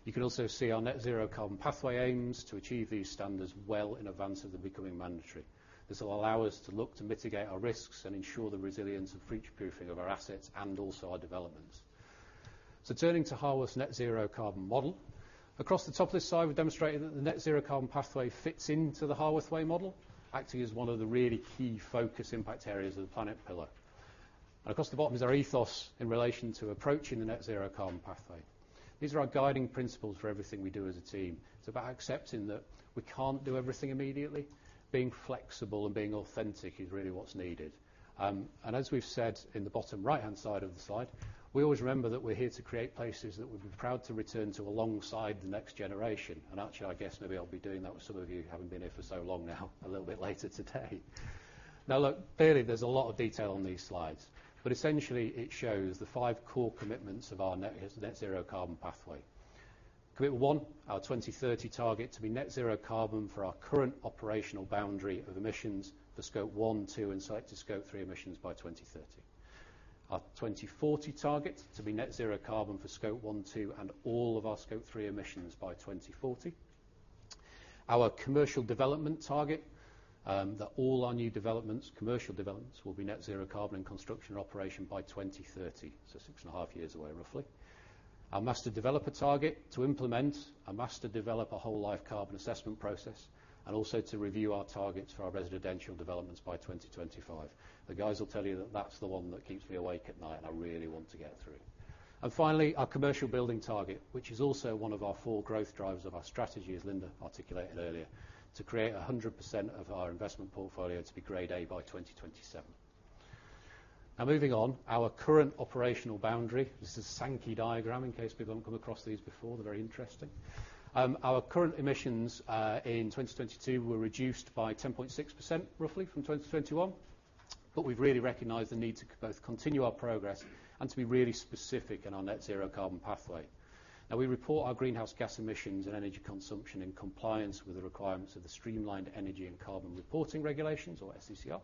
[SPEAKER 3] You can also see our net zero carbon pathway aims to achieve these standards well in advance of them becoming mandatory. This will allow us to look to mitigate our risks and ensure the resilience and breach-proofing of our assets and also our developments. Turning to Harworth's net zero carbon model. Across the top of this side, we've demonstrated that the net zero carbon pathway fits into the Harworth Way model, acting as one of the really key focus impact areas of the planet pillar. Across the bottom is our ethos in relation to approaching the net zero carbon pathway. These are our guiding principles for everything we do as a team. It's about accepting that we can't do everything immediately. Being flexible and being authentic is really what's needed. As we've said in the bottom right-hand side of the slide, we always remember that we're here to create places that we'd be proud to return to alongside the next generation. Actually, I guess maybe I'll be doing that with some of you who haven't been here for so long now, a little bit later today. Look, clearly, there's a lot of detail on these slides, but essentially, it shows the five core commitments of our net zero carbon pathway. Commitment 1, our 2030 target to be net zero carbon for our current operational boundary of emissions for Scope one, two, and select to Scope three emissions by 2030. Our 2040 target to be net zero carbon for Scope one, two, and all of our Scope three emissions by 2040. Our commercial development target, that all our new developments, commercial developments, will be net zero carbon in construction and operation by 2030, so 6 and a half years away, roughly. Our master developer target, to implement a master developer whole life carbon assessment process, also to review our targets for our residential developments by 2025. The guys will tell you that that's the one that keeps me awake at night, and I really want to get through. Finally, our commercial building target, which is also one of our four growth drivers of our strategy, as Lynda articulated earlier, to create 100% of our investment portfolio to be Grade A by 2027. Moving on, our current operational boundary. This is a Sankey diagram, in case people haven't come across these before. They're very interesting. Our current emissions in 2022 were reduced by 10.6%, roughly, from 2021. We've really recognized the need to both continue our progress and to be really specific in our net zero carbon pathway. We report our greenhouse gas emissions and energy consumption in compliance with the requirements of the Streamlined Energy and Carbon Reporting regulations, or SECR.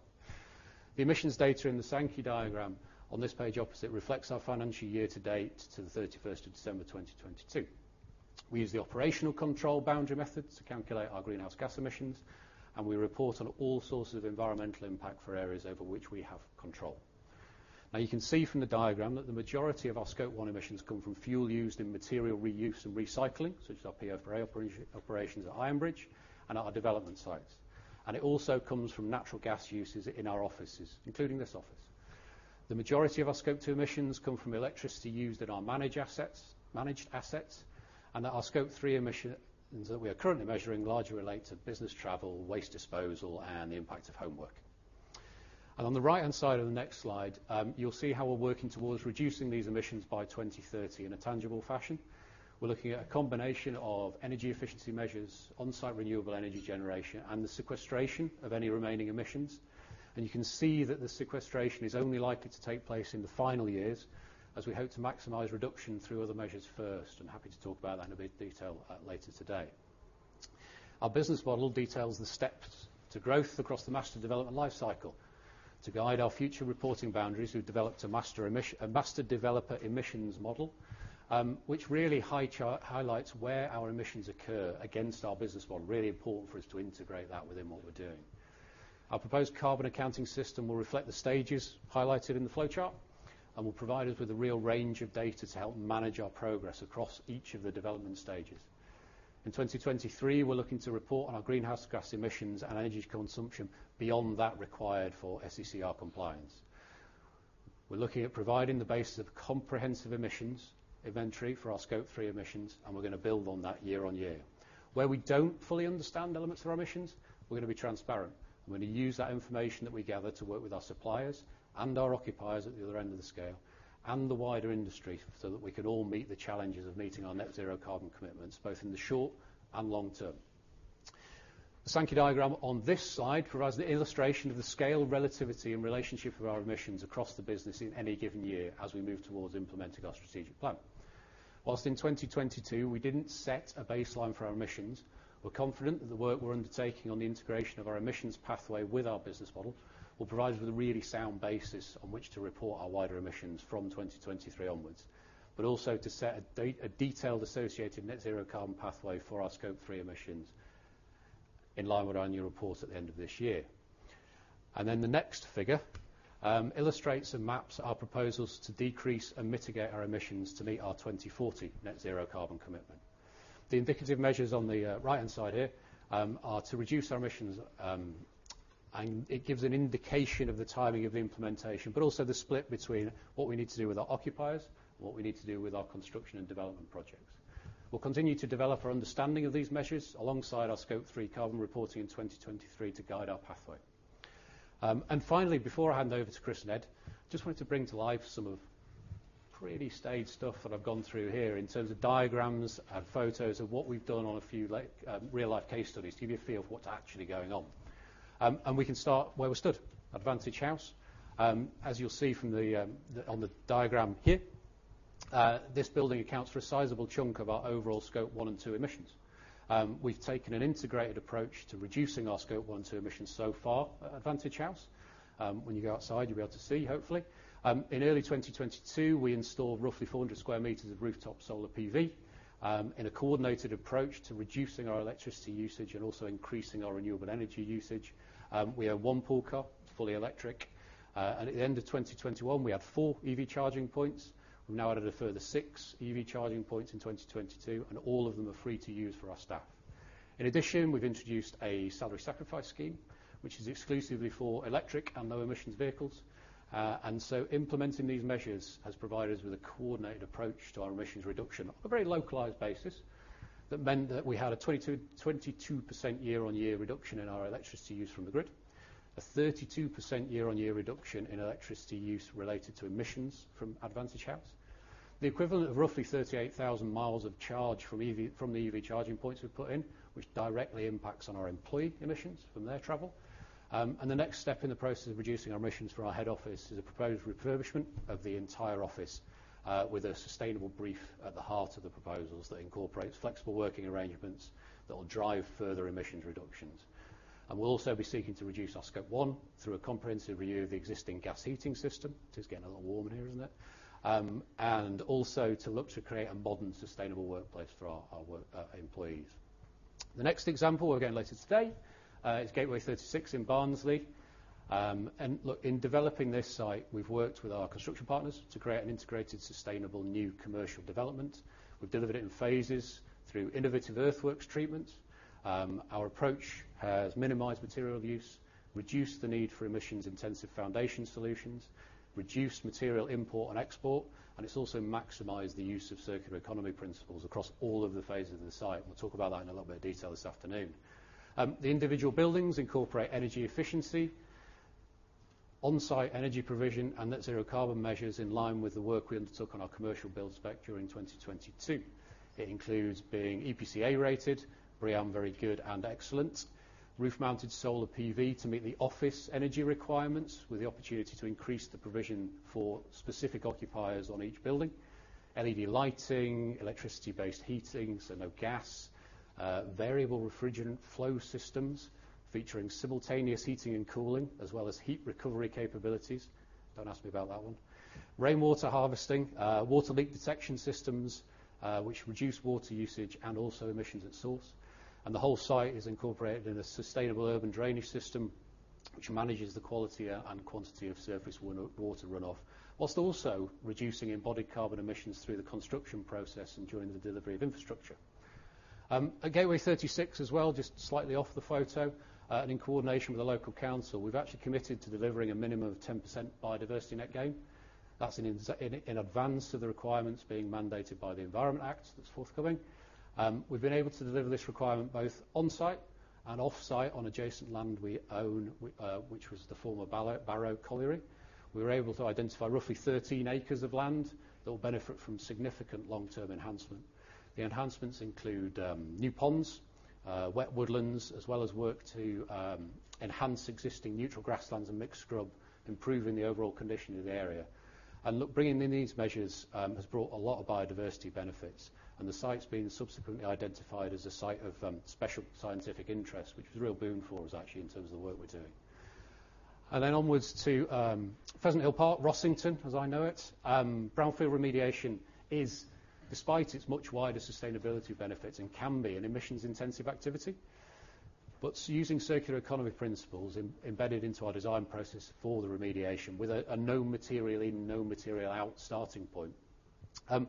[SPEAKER 3] The emissions data in the Sankey diagram on this page opposite reflects our financial year to date to the 31st of December, 2022. We use the operational control boundary methods to calculate our greenhouse gas emissions, and we report on all sources of environmental impact for areas over which we have control. You can see from the diagram that the majority of our Scope one emissions come from fuel used in material reuse and recycling, such as our PfR operations at Ironbridge and our development sites. It also comes from natural gas uses in our offices, including this office. The majority of our Scope two emissions come from electricity used in our managed assets, and that our Scope three emissions that we are currently measuring largely relate to business travel, waste disposal, and the impact of homework. On the right-hand side of the next slide, you'll see how we're working towards reducing these emissions by 2030 in a tangible fashion. We're looking at a combination of energy efficiency measures, on-site renewable energy generation, and the sequestration of any remaining emissions. You can see that the sequestration is only likely to take place in the final years, as we hope to maximize reduction through other measures first, and happy to talk about that in a bit of detail later today. Our business model details the steps to growth across the master development lifecycle. To guide our future reporting boundaries, we've developed a master developer emissions model, which really highlights where our emissions occur against our business model. Really important for us to integrate that within what we're doing. Our proposed carbon accounting system will reflect the stages highlighted in the flowchart, and will provide us with a real range of data to help manage our progress across each of the development stages. In 2023, we're looking to report on our greenhouse gas emissions and energy consumption beyond that required for SECR compliance. We're looking at providing the basis of comprehensive emissions inventory for our Scope three emissions. We're going to build on that year-on-year. Where we don't fully understand elements of our emissions, we're going to be transparent. We're going to use that information that we gather to work with our suppliers and our occupiers at the other end of the scale and the wider industry. That we can all meet the challenges of meeting our net zero carbon commitments, both in the short and long term. The Sankey diagram on this side provides an illustration of the scale, relativity, and relationship of our emissions across the business in any given year as we move towards implementing our strategic plan. Whilst in 2022, we didn't set a baseline for our emissions, we're confident that the work we're undertaking on the integration of our emissions pathway with our business model will provide us with a really sound basis on which to report our wider emissions from 2023 onwards, also to set a detailed associated net zero carbon pathway for our Scope 3 emissions in line with our new report at the end of this year. The next figure illustrates and maps our proposals to decrease and mitigate our emissions to meet our 2040 net zero carbon commitment. The indicative measures on the right-hand side here are to reduce our emissions. It gives an indication of the timing of the implementation, but also the split between what we need to do with our occupiers and what we need to do with our construction and development projects. We'll continue to develop our understanding of these measures alongside our Scope three carbon reporting in 2023 to guide our pathway. Finally, before I hand over to Chris and Ed, just wanted to bring to life some of pretty staid stuff that I've gone through here in terms of diagrams and photos of what we've done on a few real-life case studies, to give you a feel of what's actually going on. We can start where we're stood, at Advantage House. As you'll see from the on the diagram here, this building accounts for a sizable chunk of our overall Scope one and two emissions. We've taken an integrated approach to reducing our Scope one and two emissions so far at Advantage House. When you go outside, you'll be able to see, hopefully. In early 2022, we installed roughly 400 square meters of rooftop solar PV, in a coordinated approach to reducing our electricity usage and also increasing our renewable energy usage. We have 1 pool car, fully electric, and at the end of 2021, we had 4 EV charging points. We've now added a further 6 EV charging points in 2022, and all of them are free to use for our staff. In addition, we've introduced a salary sacrifice scheme, which is exclusively for electric and low emissions vehicles. Implementing these measures has provided us with a coordinated approach to our emissions reduction on a very localized basis that meant that we had a 22% year-on-year reduction in our electricity use from the grid, a 32% year-on-year reduction in electricity use related to emissions from Advantage House, the equivalent of roughly 38,000 miles of charge from the EV charging points we've put in, which directly impacts on our employee emissions from their travel. The next step in the process of reducing our emissions for our head office is a proposed refurbishment of the entire office with a sustainable brief at the heart of the proposals that incorporates flexible working arrangements that will drive further emissions reductions. We'll also be seeking to reduce our Scope one through a comprehensive review of the existing gas heating system. It is getting a little warm in here, isn't it? Also to look to create a modern, sustainable workplace for our employees. The next example we're going later today is Gateway 36 in Barnsley. Look, in developing this site, we've worked with our construction partners to create an integrated, sustainable, new commercial development. We've delivered it in phases through innovative earthworks treatments. Our approach has minimized material use, reduced the need for emissions-intensive foundation solutions, reduced material import and export, and it's also maximized the use of circular economy principles across all of the phases of the site. We'll talk about that in a little bit of detail this afternoon. The individual buildings incorporate energy efficiency, on-site energy provision, and net zero carbon measures in line with the work we undertook on our commercial build spec during 2022. It includes being EPC A-rated, BREEAM very good and excellent, roof-mounted solar PV to meet the office energy requirements, with the opportunity to increase the provision for specific occupiers on each building, LED lighting, electricity-based heating, so no gas, variable refrigerant flow systems featuring simultaneous heating and cooling, as well as heat recovery capabilities. Don't ask me about that one. Rainwater harvesting, water leak detection systems, which reduce water usage and also emissions at source. The whole site is incorporated in a sustainable urban drainage system, which manages the quality and quantity of surface water runoff, while also reducing embodied carbon emissions through the construction process and during the delivery of infrastructure. At Gateway 36 as well, just slightly off the photo, and in coordination with the local council, we've actually committed to delivering a minimum of 10% biodiversity net gain. That's in advance of the requirements being mandated by the Environment Act that's forthcoming. We've been able to deliver this requirement both on-site and off-site on adjacent land we own, which was the former Barrow Colliery. We were able to identify roughly 13 acres of land that will benefit from significant long-term enhancement. The enhancements include new ponds, wet woodlands, as well as work to enhance existing neutral grasslands and mixed scrub, improving the overall condition of the area. Look, bringing in these measures has brought a lot of biodiversity benefits, and the site's been subsequently identified as a site of special scientific interest, which is a real boon for us, actually, in terms of the work we're doing. Onwards to Pheasant Hill Park, Rossington, as I know it. Brownfield remediation is, despite its much wider sustainability benefits, and can be an emissions-intensive activity, but using circular economy principles embedded into our design process for the remediation with a no material in, no material out starting point. At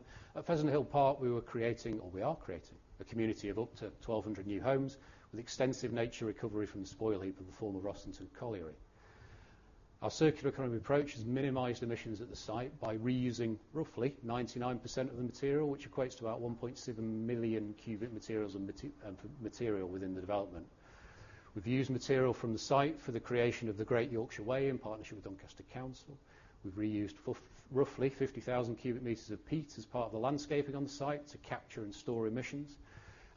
[SPEAKER 3] Pheasant Hill Park, we were creating, or we are creating, a community of up to 1,200 new homes with extensive nature recovery from the spoil heap of the former Rossington Colliery. Our circular economy approach has minimized emissions at the site by reusing roughly 99% of the material, which equates to about 1.7 million cubic materials and material within the development. We've used material from the site for the creation of the Great Yorkshire Way, in partnership with Doncaster Council. We've reused roughly 50,000 cubic meters of peat as part of the landscaping on the site to capture and store emissions,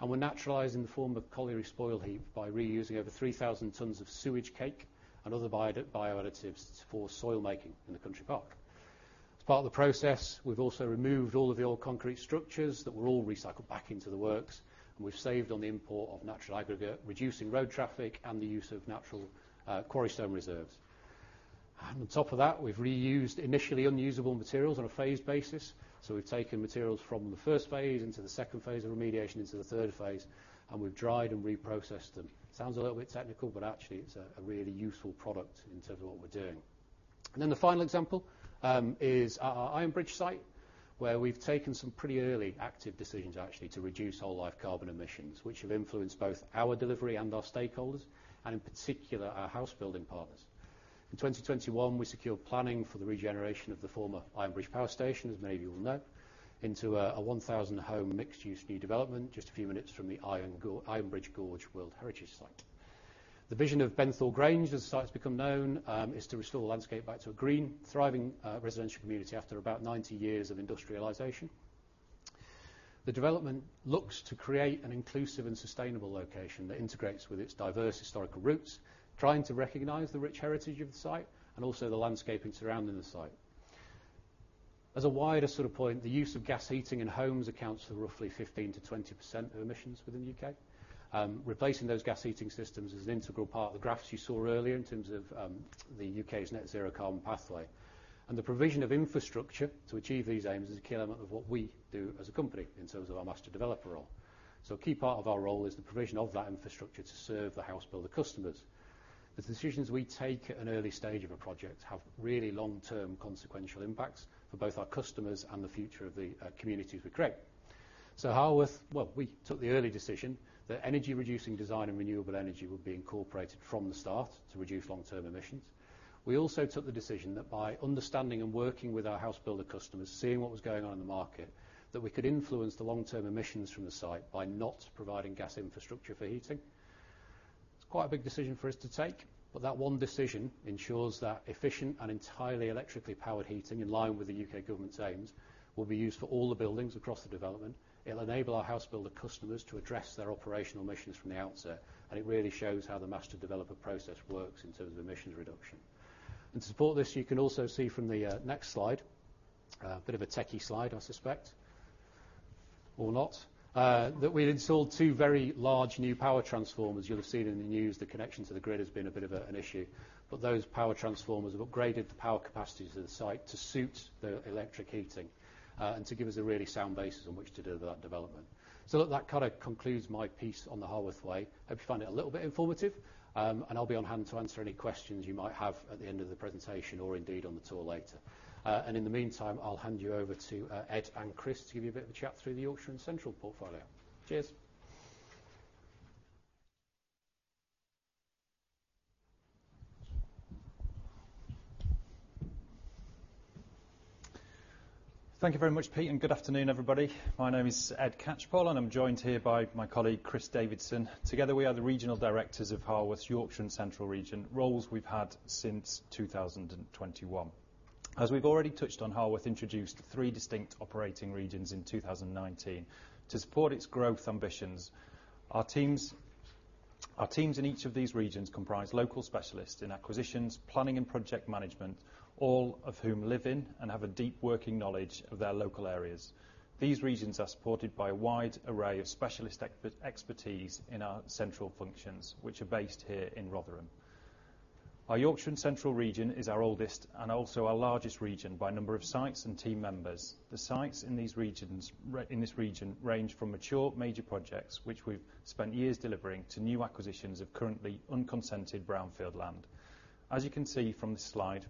[SPEAKER 3] and we're naturalizing the former colliery spoil heap by reusing over 3,000 tons of sewage cake and other bioadditives for soil making in the country park. As part of the process, we've also removed all of the old concrete structures that were all recycled back into the works, and we've saved on the import of natural aggregate, reducing road traffic and the use of natural quarry stone reserves. On top of that, we've reused initially unusable materials on a phased basis, so we've taken materials from the first phase into the second phase of remediation into the third phase, and we've dried and reprocessed them. Sounds a little bit technical, but actually it's a really useful product in terms of what we're doing. The final example is our Ironbridge site, where we've taken some pretty early active decisions, actually, to reduce whole life carbon emissions, which have influenced both our delivery and our stakeholders, and in particular, our house building partners. In 2021, we secured planning for the regeneration of the former Ironbridge Power Station, as many of you will know, into a 1,000 home mixed-use new development, just a few minutes from the Ironbridge Gorge World Heritage Site. The vision of Benthall Grange, as the site has become known, is to restore the landscape back to a green, thriving residential community after about 90 years of industrialization. The development looks to create an inclusive and sustainable location that integrates with its diverse historical roots, trying to recognize the rich heritage of the site and also the landscaping surrounding the site. As a wider sort of point, the use of gas heating in homes accounts for roughly 15%-20% of emissions within the UK. Replacing those gas heating systems is an integral part of the graphs you saw earlier in terms of the UK's net zero carbon pathway. The provision of infrastructure to achieve these aims is a key element of what we do as a company in terms of our master developer role. A key part of our role is the provision of that infrastructure to serve the house builder customers. The decisions we take at an early stage of a project have really long-term consequential impacts for both our customers and the future of the communities we create. Harworth took the early decision that energy-reducing design and renewable energy would be incorporated from the start to reduce long-term emissions. We also took the decision that by understanding and working with our house builder customers, seeing what was going on in the market, that we could influence the long-term emissions from the site by not providing gas infrastructure for heating. It's quite a big decision for us to take, but that one decision ensures that efficient and entirely electrically powered heating, in line with the U.K. government's aims, will be used for all the buildings across the development. It'll enable our housebuilder customers to address their operational emissions from the outset, and it really shows how the master developer process works in terms of emissions reduction. To support this, you can also see from the next slide, a bit of a techie slide, I suspect, or not, that we've installed two very large new power transformers. You'll have seen in the news, the connection to the grid has been a bit of an issue, but those power transformers have upgraded the power capacities of the site to suit the electric heating, and to give us a really sound basis on which to do that development. That kind of concludes my piece on the Harworth Way. Hope you found it a little bit informative, and I'll be on hand to answer any questions you might have at the end of the presentation or indeed on the tour later. In the meantime, I'll hand you over to Ed and Chris to give you a bit of a chat through the Yorkshire and Central portfolio. Cheers! Thank you very much, Pete. Good afternoon, everybody. My name is Ed Cuttell
[SPEAKER 4] The sites in these regions, in this region range from mature major projects, which we've spent years delivering, to new acquisitions of currently unconsented brownfield land. As you can see from this slide.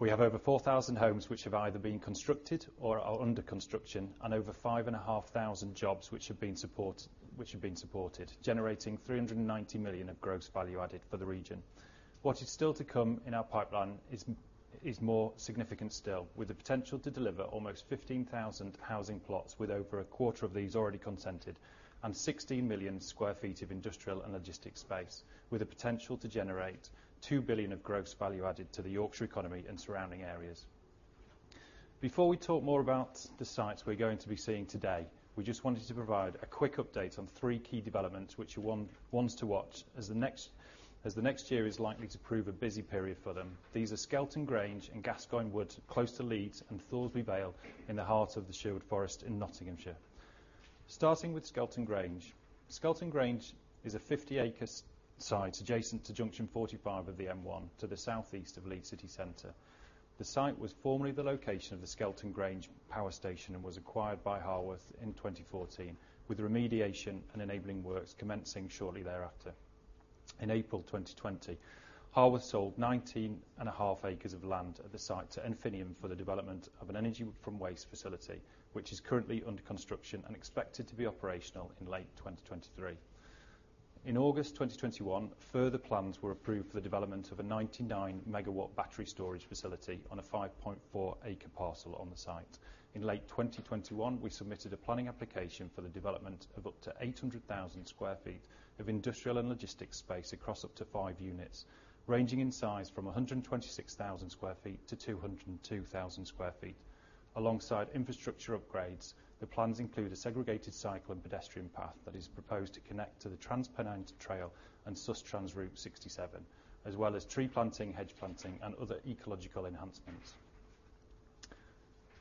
[SPEAKER 4] We have over 4,000 homes which have either been constructed or are under construction and over 5,500 jobs which have been supported, generating 390 million of gross value added for the region. What is still to come in our pipeline is more significant still, with the potential to deliver almost 15,000 housing plots, with over a quarter of these already consented, and 16 million sq ft of industrial and logistics space, with the potential to generate 2 billion of gross value added to the Yorkshire economy and surrounding areas. Before we talk more about the sites we're going to be seeing today, we just wanted to provide a quick update on three key developments, which are ones to watch as the next year is likely to prove a busy period for them. These are Skelton Grange and Gascoigne Wood, close to Leeds, and Thoresby Vale in the heart of the Sherwood Forest in Nottinghamshire. Starting with Skelton Grange. Skelton Grange is a 50-acre site adjacent to junction 45 of the M1 to the southeast of Leeds City Centre. The site was formerly the location of the Skelton Grange Power Station and was acquired by Harworth in 2014, with remediation and enabling works commencing shortly thereafter. In April 2020, Harworth sold 19.5 acres of land at the site to enfinium for the development of an energy from waste facility, which is currently under construction and expected to be operational in late 2023. In August 2021, further plans were approved for the development of a 99 MW battery storage facility on a 5.4-acre parcel on the site. In late 2021, we submitted a planning application for the development of up to 800,000 sq ft of industrial and logistics space across up to five units, ranging in size from 126,000 sq ft to 202,000 sq ft. Alongside infrastructure upgrades, the plans include a segregated cycle and pedestrian path that is proposed to connect to the TransPennine Trail and Sustrans Route 67, as well as tree planting, hedge planting, and other ecological enhancements.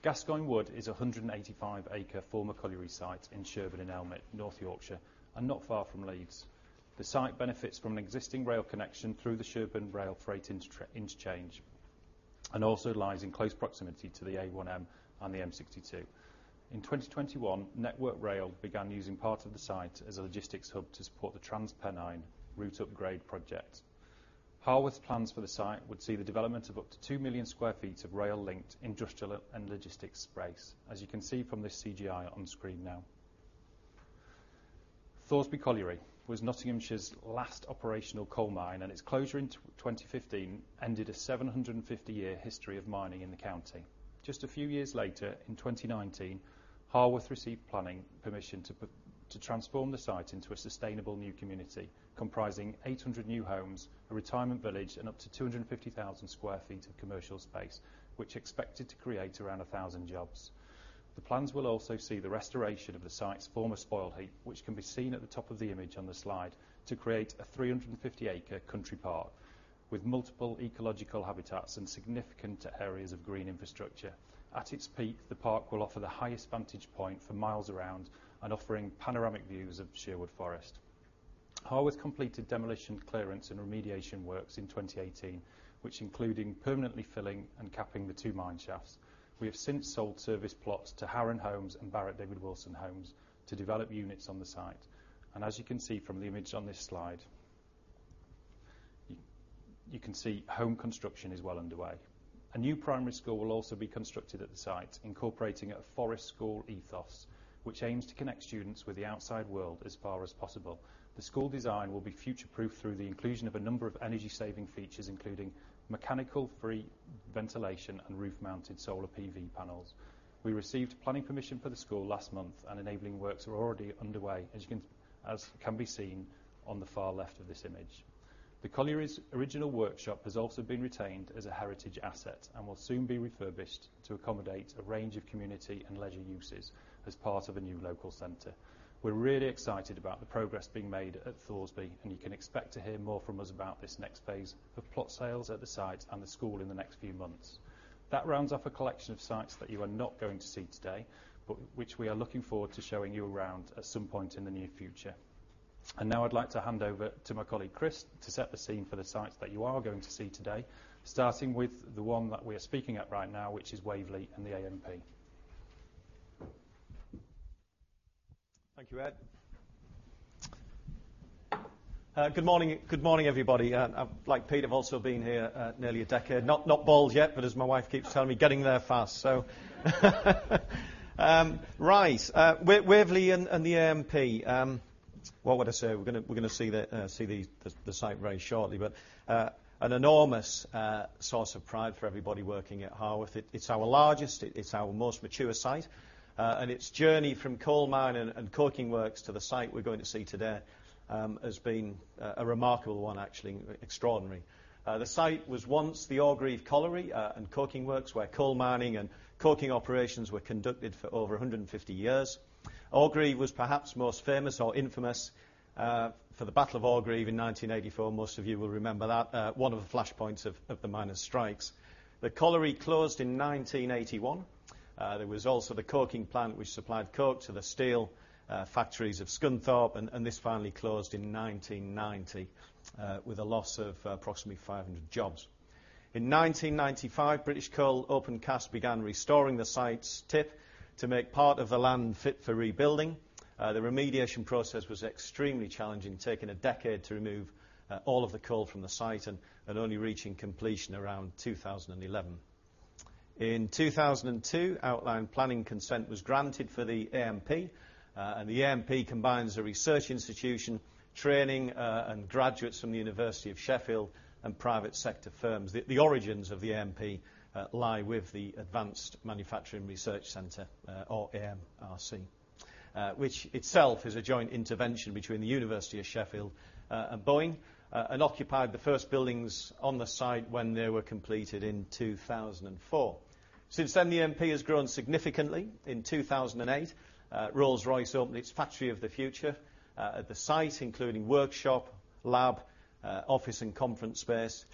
[SPEAKER 4] Gascoigne Wood is a 185-acre former colliery site in Sherburn in Elmet, North Yorkshire, and not far from Leeds. The site benefits from an existing rail connection through the Sherburn Rail Freight Interchange, and also lies in close proximity to the A1M and the M62. In 2021, Network Rail began using part of the site as a logistics hub to support the TransPennine Route upgrade project. Harworth's plans for the site would see the development of up to 2 million sq ft of rail-linked industrial and logistics space, as you can see from this CGI on screen now. Thoresby Colliery was Nottinghamshire's last operational coal mine, and its closure in 2015 ended a 750-year history of mining in the county. Just a few years later, in 2019, Harworth received planning permission to transform the site into a sustainable new community, comprising 800 new homes, a retirement village, and up to 250,000 sq ft of commercial space, which expected to create around 1,000 jobs. The plans will also see the restoration of the site's former spoil heap, which can be seen at the top of the image on the slide, to create a 350-acre country park with multiple ecological habitats and significant areas of green infrastructure. At its peak, the park will offer the highest vantage point for miles around and offering panoramic views of Sherwood Forest. Harworth completed demolition, clearance, and remediation works in 2018, which including permanently filling and capping the two mine shafts. We have since sold service plots to Harron Homes and Barratt and David Wilson Homes to develop units on the site. As you can see from the image on this slide, you can see home construction is well underway. A new primary school will also be constructed at the site, incorporating a forest school ethos, which aims to connect students with the outside world as far as possible. The school design will be future-proofed through the inclusion of a number of energy-saving features, including mechanical-free ventilation and roof-mounted solar PV panels. We received planning permission for the school last month. Enabling works are already underway, as can be seen on the far left of this image. The colliery's original workshop has also been retained as a heritage asset and will soon be refurbished to accommodate a range of community and leisure uses as part of a new local center. We're really excited about the progress being made at Thoresby, and you can expect to hear more from us about this next phase of plot sales at the site and the school in the next few months. That rounds off a collection of sites that you are not going to see today, but which we are looking forward to showing you around at some point in the near future. Now I'd like to hand over to my colleague, Chris, to set the scene for the sites that you are going to see today, starting with the one that we are speaking at right now, which is Waverley and the AMP.
[SPEAKER 5] Thank you, Ed. Good morning, good morning, everybody. Like Pete, I've also been here, nearly a decade. Not bald yet, but as my wife keeps telling me, getting there fast, so Right. Waverley and the AMP, what would I say? We're going to see the site very shortly, but an enormous source of pride for everybody working at Harworth. It's our largest, it's our most mature site, and its journey from coal mine and coking works to the site we're going to see today, has been a remarkable one, actually. Extraordinary. The site was once the Orgreave Colliery and coking works, where coal mining and coking operations were conducted for over 150 years. Orgreave was perhaps most famous or infamous for the Battle of Orgreave in 1984. Most of you will remember that one of the flashpoints of the miners' strikes. The colliery closed in 1981. There was also the coking plant, which supplied coke to the steel factories of Scunthorpe, and this finally closed in 1990 with a loss of approximately 500 jobs. In 1995, British Coal Opencast began restoring the site's tip to make part of the land fit for rebuilding. The remediation process was extremely challenging, taking a decade to remove all of the coal from the site and only reaching completion around 2011. In 2002, outline planning consent was granted for the AMP, the AMP combines a research institution, training, and graduates from the University of Sheffield and private sector firms. The origins of the AMP lie with the Advanced Manufacturing Research Centre, or AMRC, which itself is a joint intervention between the University of Sheffield and Boeing, and occupied the first buildings on the site when they were completed in 2004. Since then, the AMP has grown significantly. In 2008, Rolls-Royce opened its Factory of the Future at the site, including workshop, lab, office, and conference space.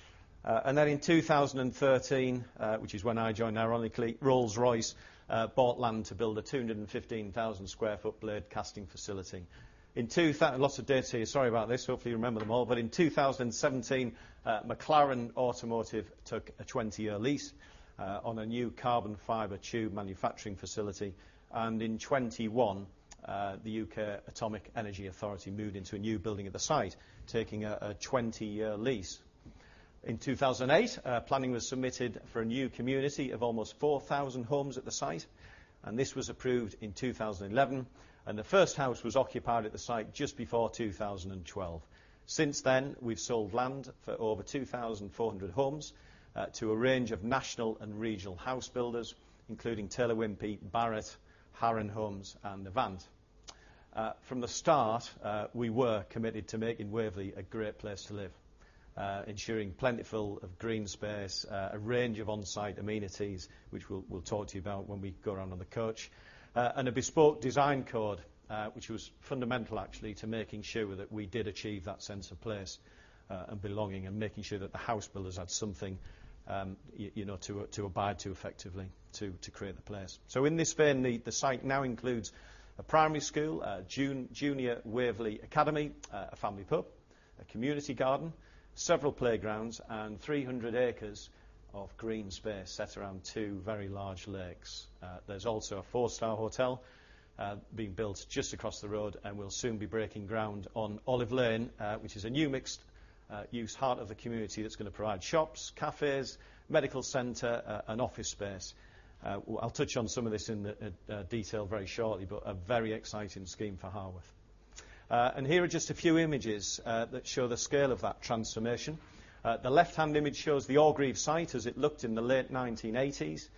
[SPEAKER 5] In 2013, which is when I joined, ironically, Rolls-Royce bought land to build a 215,000 sq ft blade casting facility. Lots of dates here. Sorry about this. Hopefully, you remember them all. In 2017, McLaren Automotive took a 20-year lease on a new carbon fiber tube manufacturing facility. In 2021, the UK Atomic Energy Authority moved into a new building at the site, taking a 20-year lease. In 2008, planning was submitted for a new community of almost 4,000 homes at the site. This was approved in 2011. The first house was occupied at the site just before 2012. Since then, we've sold land for over 2,400 homes to a range of national and regional house builders, including Taylor Wimpey, Barratt, Harron Homes, and Avant. From the start, we were committed to making Waverley a great place to live, ensuring plentiful of green space, a range of on-site amenities, which we'll talk to you about when we go around on the coach, and a bespoke design code, which was fundamental actually, to making sure that we did achieve that sense of place, and belonging, and making sure that the housebuilders had something, you know, to abide to effectively to create the place. In this vein, the site now includes a primary school, a Waverley Junior Academy, a family pub, a community garden, several playgrounds, and 300 acres of green space set around two very large lakes. There's also a four-star hotel being built just across the road. We'll soon be breaking ground on Olive Lane, which is a new mixed-use heart of the community that's going to provide shops, cafes, medical center, and office space. I'll touch on some of this in the detail very shortly, but a very exciting scheme for Harworth. Here are just a few images that show the scale of that transformation. The left-hand image shows the Orgreave site as it looked in the late 1980s,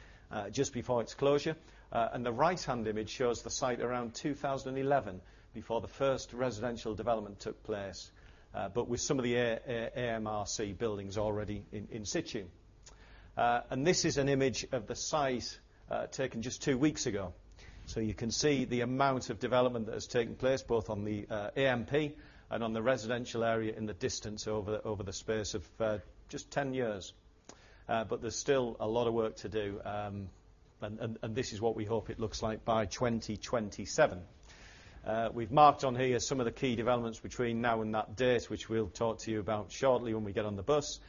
[SPEAKER 5] just before its closure. The right-hand image shows the site around 2011, before the first residential development took place, but with some of the AMRC buildings already in situ. This is an image of the site, taken just two weeks ago. You can see the amount of development that has taken place, both on the AMP and on the residential area in the distance over the space of just 10 years. There's still a lot of work to do, and this is what we hope it looks like by 2027. We've marked on here some of the key developments between now and that date, which we'll talk to you about shortly when we get on the bus.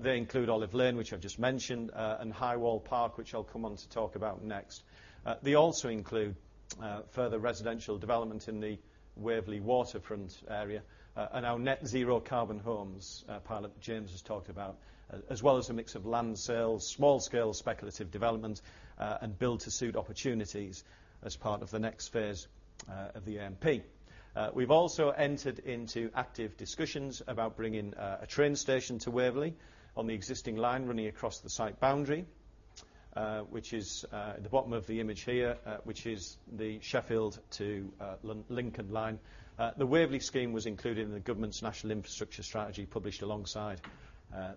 [SPEAKER 5] They include Olive Lane, which I've just mentioned, and Highfield Park, which I'll come on to talk about next. They also include further residential development in the Waverley Waterfront area and our net zero carbon homes pilot that James Crowe has talked about, as well as a mix of land sales, small-scale speculative development and build-to-suit opportunities as part of the next phase of the AMP. We've also entered into active discussions about bringing a train station to Waverley on the existing line running across the site boundary, which is the bottom of the image here, which is the Sheffield to Lincoln line. The Waverley scheme was included in the government's National Infrastructure Strategy, published alongside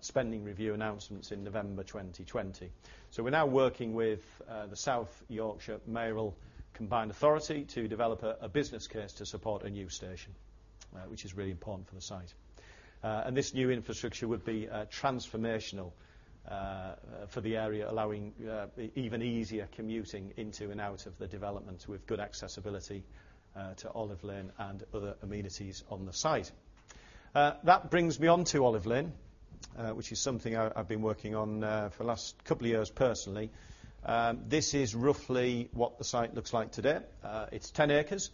[SPEAKER 5] spending review announcements in November 2020. We're now working with the South Yorkshire Mayoral Combined Authority to develop a business case to support a new station, which is really important for the site. This new infrastructure would be transformational for the area, allowing even easier commuting into and out of the development, with good accessibility to Olive Lane and other amenities on the site. That brings me on to Olive Lane, which is something I've been working on for the last couple of years personally. This is roughly what the site looks like today. It's 10 acres.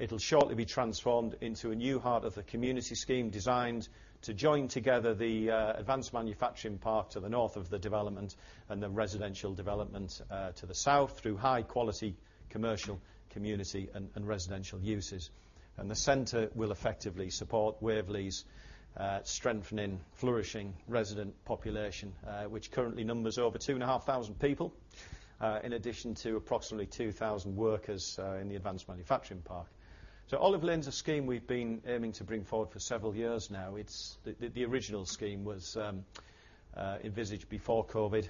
[SPEAKER 5] It'll shortly be transformed into a new heart of the community scheme, designed to join together the advanced manufacturing park to the north of the development and the residential development to the south, through high-quality commercial, community, and residential uses. The center will effectively support Waverley's strengthening, flourishing resident population, which currently numbers over 2,500 people, in addition to approximately 2,000 workers in the Advanced Manufacturing Park. Olive Lane's a scheme we've been aiming to bring forward for several years now. The original scheme was envisaged before COVID,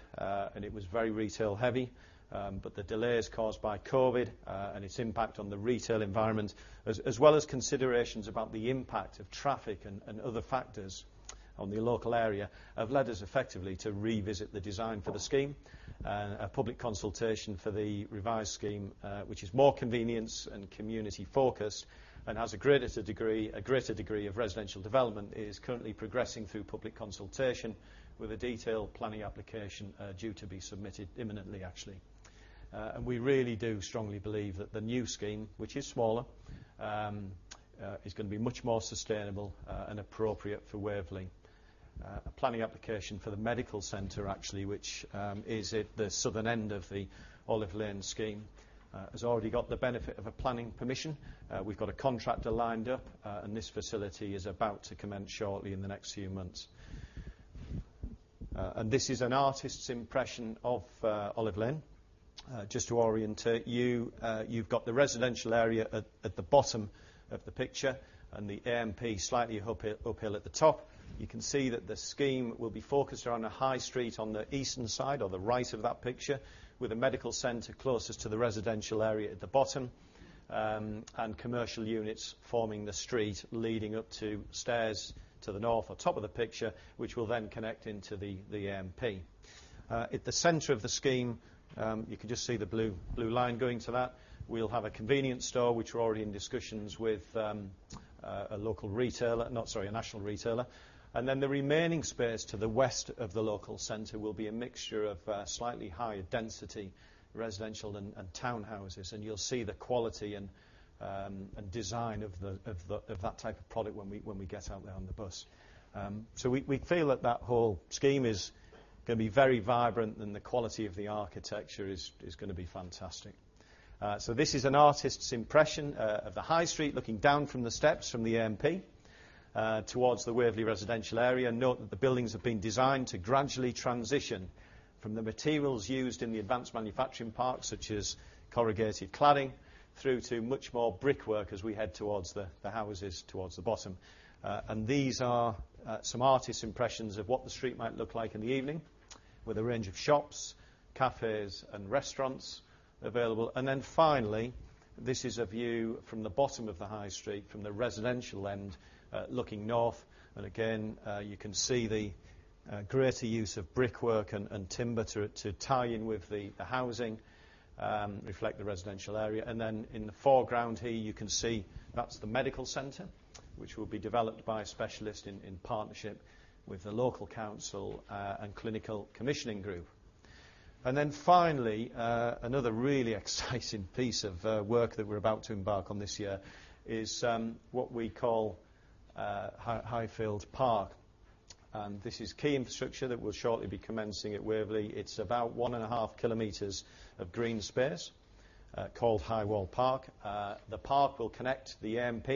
[SPEAKER 5] and it was very retail-heavy. The delays caused by COVID and its impact on the retail environment, as well as considerations about the impact of traffic and other factors on the local area, have led us effectively to revisit the design for the scheme. A public consultation for the revised scheme, which is more convenience and community-focused and has a greater degree of residential development, is currently progressing through public consultation, with a detailed planning application due to be submitted imminently, actually. We really do strongly believe that the new scheme, which is smaller, is going to be much more sustainable and appropriate for Waverley. A planning application for the medical center, actually, which is at the southern end of the Olive Lane scheme, has already got the benefit of a planning permission. We've got a contractor lined up, and this facility is about to commence shortly in the next few months. This is an artist's impression of Olive Lane. Just to orientate you've got the residential area at the bottom of the picture and the AMP slightly uphill at the top. You can see that the scheme will be focused around a high street on the eastern side, or the right of that picture, with a medical center closest to the residential area at the bottom, and commercial units forming the street, leading up to stairs to the north or top of the picture, which will then connect into the AMP. At the center of the scheme, you can just see the blue line going to that. We'll have a convenience store, which we're already in discussions with a local retailer, no, sorry, a national retailer. The remaining space to the west of the local center will be a mixture of slightly higher density residential and townhouses, and you'll see the quality and design of that type of product when we get out there on the bus. We feel that whole scheme is going to be very vibrant and the quality of the architecture is going to be fantastic. This is an artist's impression of the high street, looking down from the steps from the AMP towards the Waverley residential area. Note that the buildings have been designed to gradually transition from the materials used in the Advanced Manufacturing Park, such as corrugated cladding, through to much more brickwork as we head towards the houses towards the bottom. These are some artist's impressions of what the street might look like in the evening, with a range of shops, cafes, and restaurants available. Finally, this is a view from the bottom of the high street, from the residential end, looking north. Again, you can see the greater use of brickwork and timber to tie in with the housing, reflect the residential area. Then in the foreground here, you can see that's the medical center, which will be developed by a specialist in partnership with the local council, and clinical commissioning group. Finally, another really exciting piece of work that we're about to embark on this year is what we call Highfield Park. This is key infrastructure that will shortly be commencing at Waverley. It's about 1.5 km of green space, called Highfield Park. The park will connect the AMP,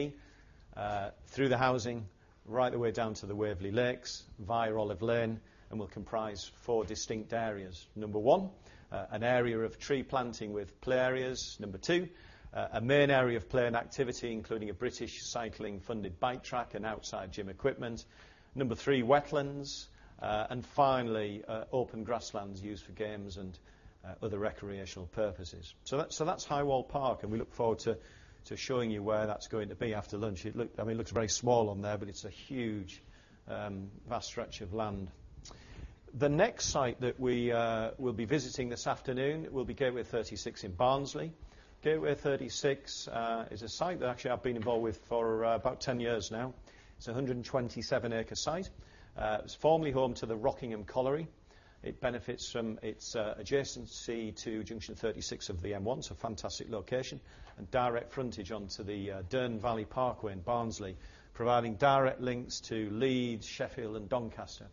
[SPEAKER 5] through the housing, right the way down to the Waverley Lakes via Olive Lane and will comprise four distinct areas. Number one, an area of tree planting with play areas. Number two, a main area of play and activity, including a British Cycling funded bike track and outside gym equipment. Number three, wetlands. Finally, open grasslands used for games and other recreational purposes. That's Highfield Park, and we look forward to showing you where that's going to be after lunch. I mean, it looks very small on there, but it's a huge, vast stretch of land. The next site that we will be visiting this afternoon will be Gateway 36 in Barnsley. Gateway 36 is a site that actually I've been involved with for about 10 years now. It's a 127 acre site. It's formerly home to the Rockingham Colliery. It benefits from its adjacency to junction 36 of the M1, fantastic location, and direct frontage onto the Dearne Valley Parkway in Barnsley, providing direct links to Leeds, Sheffield, and Doncaster.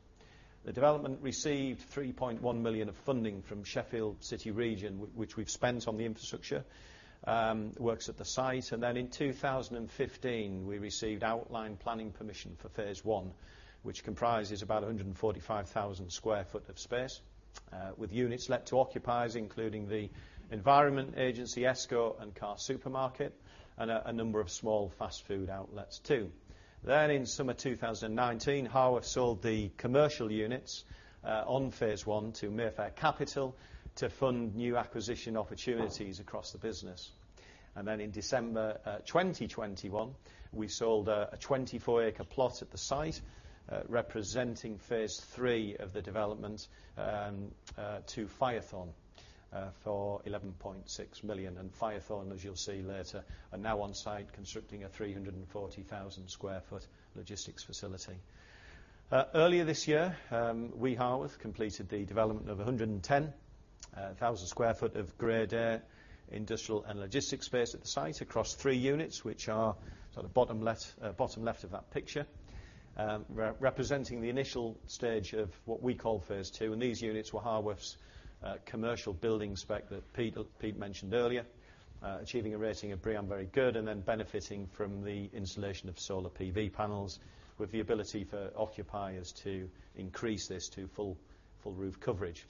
[SPEAKER 5] The development received 3.1 million of funding from Sheffield City Region, which we've spent on the infrastructure works at the site. In 2015, we received outline planning permission for phase one, which comprises about 145,000 sq ft of space, with units let to occupiers, including the Environment Agency, Talurit, ESCO and CarSupermarket, and a number of small fast food outlets, too. In summer 2019, Harworth sold the commercial units on phase one to Mayfair Capital to fund new acquisition opportunities across the business. In December 2021, we sold a 24-acre plot at the site, representing phase three of the development, to Firethorn for 11.6 million. Firethorn, as you'll see later, are now on site constructing a 340,000 sq ft logistics facility. Earlier this year, we, Harworth, completed the development of 110 thousand sq ft of Grade A industrial and logistics space at the site across three units, which are sort of bottom left of that picture, representing the initial stage of what we call phase two. These units were Harworth's commercial building spec that Pete mentioned earlier, achieving a rating of BREEAM Very Good, and then benefiting from the installation of solar PV panels, with the ability for occupiers to increase this to full roof coverage.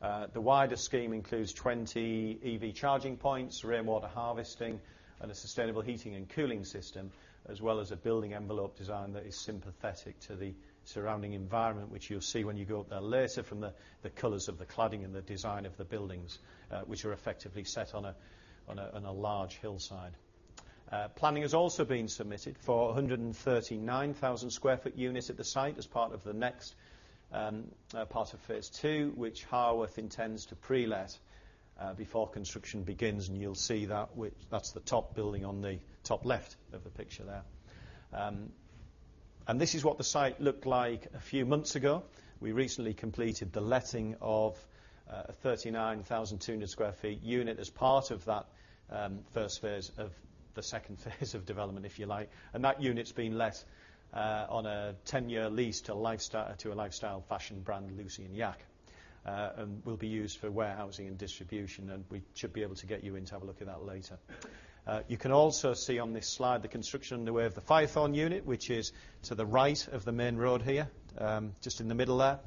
[SPEAKER 5] The wider scheme includes 20 EV charging points, rainwater harvesting, and a sustainable heating and cooling system, as well as a building envelope design that is sympathetic to the surrounding environment, which you'll see when you go up there later, from the colors of the cladding and the design of the buildings, which are effectively set on a large hillside. Planning has also been submitted for a 139,000 sq ft unit at the site as part of the next, part of Phase two, which Harworth intends to pre-let, before construction begins, and you'll see that with. That's the top building on the top left of the picture there. This is what the site looked like a few months ago. We recently completed the letting of a 39,000 sq ft unit as part of that first phase of the second phase of development, if you like. That unit's been let on a 10-year lease to a lifestyle fashion brand, Lucy & Yak, and will be used for warehousing and distribution, and we should be able to get you in to have a look at that later. You can also see on this slide the construction underway of the Firethorn unit, which is to the right of the main road here, just in the middle there.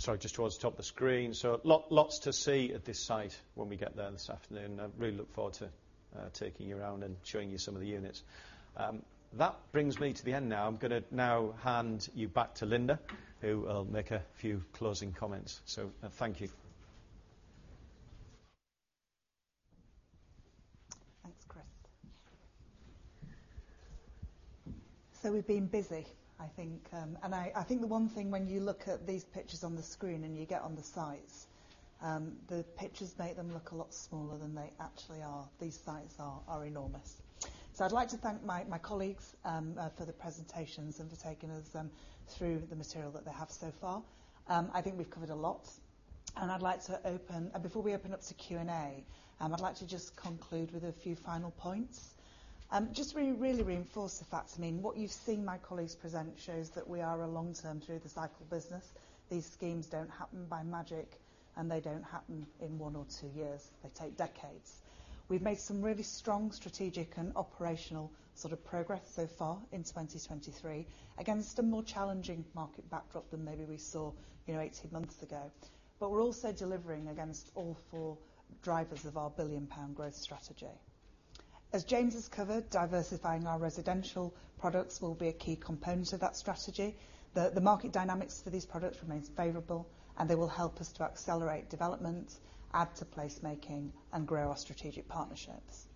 [SPEAKER 5] Sorry, just towards the top of the screen. Lots to see at this site when we get there this afternoon. I really look forward to taking you around and showing you some of the units. That brings me to the end now. I'm going to now hand you back to Lynda, who will make a few closing comments. Thank you.
[SPEAKER 1] Thanks, Chris. We've been busy, I think. I think the one thing when you look at these pictures on the screen, and you get on the sites, the pictures make them look a lot smaller than they actually are. These sites are enormous. I'd like to thank my colleagues, for the presentations and for taking us through the material that they have so far. I think we've covered a lot, and I'd like to open before we open up to Q&A, I'd like to just conclude with a few final points. Just to really reinforce the fact, I mean, what you've seen my colleagues present shows that we are a long-term, through-the-cycle business. These schemes don't happen by magic, and they don't happen in one or two years. They take decades. We've made some really strong strategic and operational sort of progress so far in 2023, against a more challenging market backdrop than maybe we saw, you know, 18 months ago. We're also delivering against all four drivers of our billion-pound growth strategy. As James Crowe has covered, diversifying our residential products will be a key component of that strategy. The market dynamics for these products remains favorable, and they will help us to accelerate development, add to placemaking, and grow our strategic partnerships.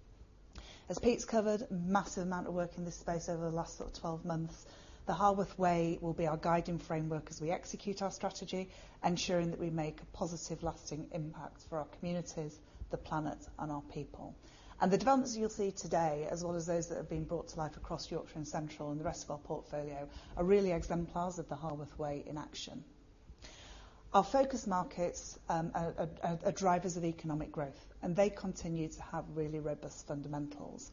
[SPEAKER 1] As Pete's covered, massive amount of work in this space over the last sort of 12 months, the Harworth Way will be our guiding framework as we execute our strategy, ensuring that we make a positive, lasting impact for our communities, the planet, and our people. The developments you'll see today, as well as those that have been brought to life across Yorkshire and central, and the rest of our portfolio, are really exemplars of the Harworth Way in action. Our focus markets are drivers of economic growth, and they continue to have really robust fundamentals.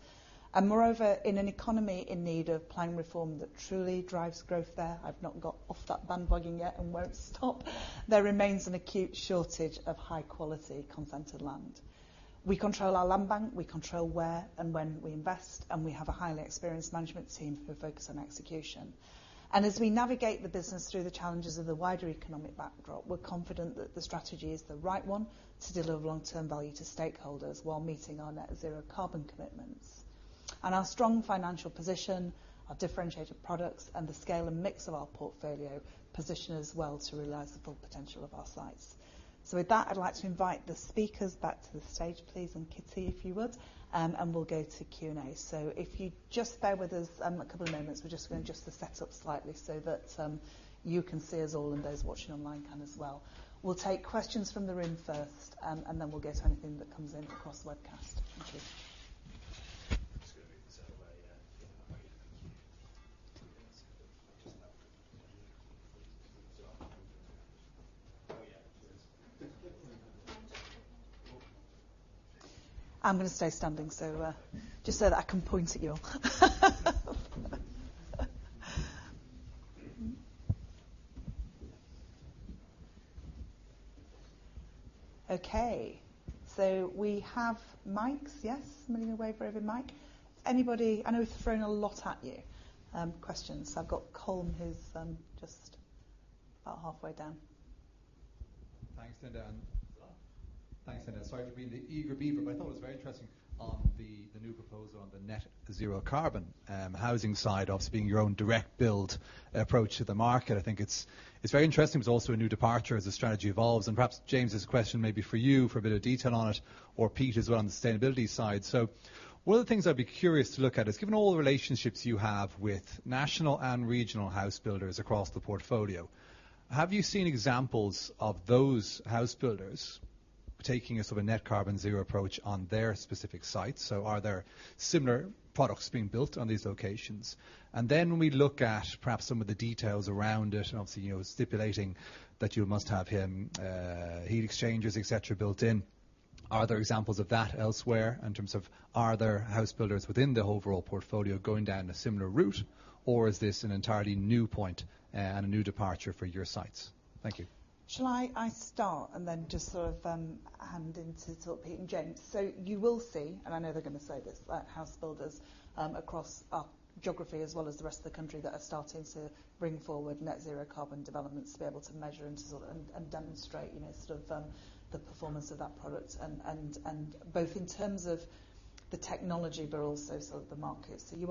[SPEAKER 1] Moreover, in an economy in need of planning reform that truly drives growth there, I've not got off that bandwagon yet and won't stop, there remains an acute shortage of high-quality consented land. We control our land bank, we control where and when we invest, and we have a highly experienced management team who focus on execution. As we navigate the business through the challenges of the wider economic backdrop, we're confident that the strategy is the right one to deliver long-term value to stakeholders while meeting our net zero carbon commitments. Our strong financial position, our differentiated products, and the scale and mix of our portfolio position us well to realize the full potential of our sites. With that, I'd like to invite the speakers back to the stage, please, and Kitty, if you would, and we'll go to Q&A. If you just bear with us, a couple of moments, we're just going to adjust the setup slightly so that you can see us all and those watching online can as well. We'll take questions from the room first, and then we'll get anything that comes in across the webcast. Thank you.(IVR) I'm going to stay standing, so just so that I can point at you all. Okay, so we have mics. Yes? Somebody going to wave for every mic. Anybody, I know we've thrown a lot at you, questions. I've got Colm Lauder, who's just about halfway down.
[SPEAKER 6] Thanks, Lynda, and thanks, Lynda. Sorry for being the eager beaver, but I thought it was very interesting on the new proposal on the net zero carbon housing side of being your own direct build approach to the market. I think it's very interesting, but also a new departure as the strategy evolves. Perhaps, James Crowe, this question may be for you for a bit of detail on it, or Pete as well on the sustainability side. One of the things I'd be curious to look at is, given all the relationships you have with national and regional house builders across the portfolio, have you seen examples of those house builders taking a sort of a net carbon zero approach on their specific sites? Are there similar products being built on these locations? Then, when we look at perhaps some of the details around it and obviously, you know, stipulating that you must have, heat exchangers, et cetera, built in, are there examples of that elsewhere in terms of are there house builders within the overall portfolio going down a similar route, or is this an entirely new point, and a new departure for your sites? Thank you.
[SPEAKER 1] Shall I start, and then just sort of hand into Pete and James Crowe? You will see, and I know they're going to say this, that house builders across our geography, as well as the rest of the country, that are starting to bring forward net zero carbon developments to be able to measure and to sort of, and demonstrate, you know, sort of the performance of that product, and both in terms of the technology, but also sort of the market. We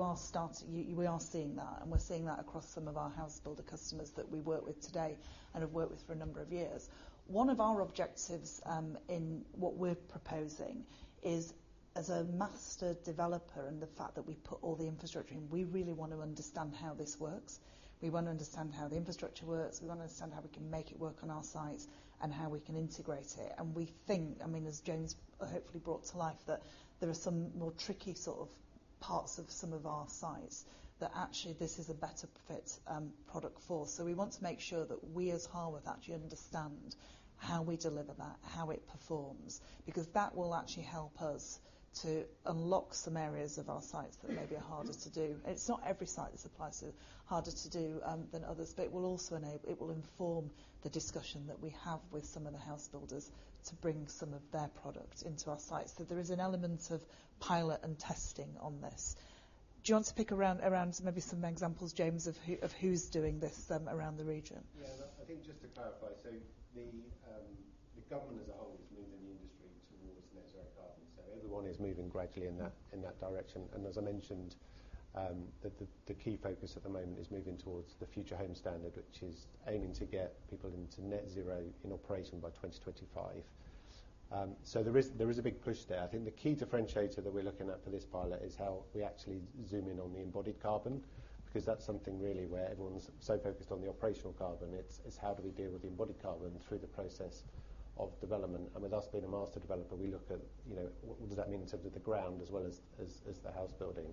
[SPEAKER 1] are seeing that, and we're seeing that across some of our house builder customers that we work with today and have worked with for a number of years. One of our objectives, in what we're proposing is, as a master developer, and the fact that we put all the infrastructure in, we really want to understand how this works. We want to understand how the infrastructure works, we want to understand how we can make it work on our sites and how we can integrate it. We think, I mean, as James Crowe, hopefully brought to life, that there are some more tricky sort of parts of some of our sites, that actually this is a better fit, product for. We want to make sure that we, as Harworth, actually understand how we deliver that, how it performs, because that will actually help us to unlock some areas of our sites that may be harder to do. It's not every site that's applies to, harder to do than others, but it will also inform the discussion that we have with some of the house builders to bring some of their product into our sites. There is an element of pilot and testing on this. Do you want to pick around maybe some examples, James Crowe, of who's doing this around the region?
[SPEAKER 2] Yeah, I think just to clarify, the government as a whole is moving the industry towards net zero carbon. Everyone is moving gradually in that, in that direction. As I mentioned, the key focus at the moment is moving towards the Future Homes Standard, which is aiming to get people into net zero in operation by 2025. There is a big push there. I think the key differentiator that we're looking at for this pilot is how we actually zoom in on the embodied carbon, because that's something really where everyone's so focused on the operational carbon. It's how do we deal with the embodied carbon through the process of development? With us being a master developer, we look at, you know, what does that mean in terms of the ground as well as the house building.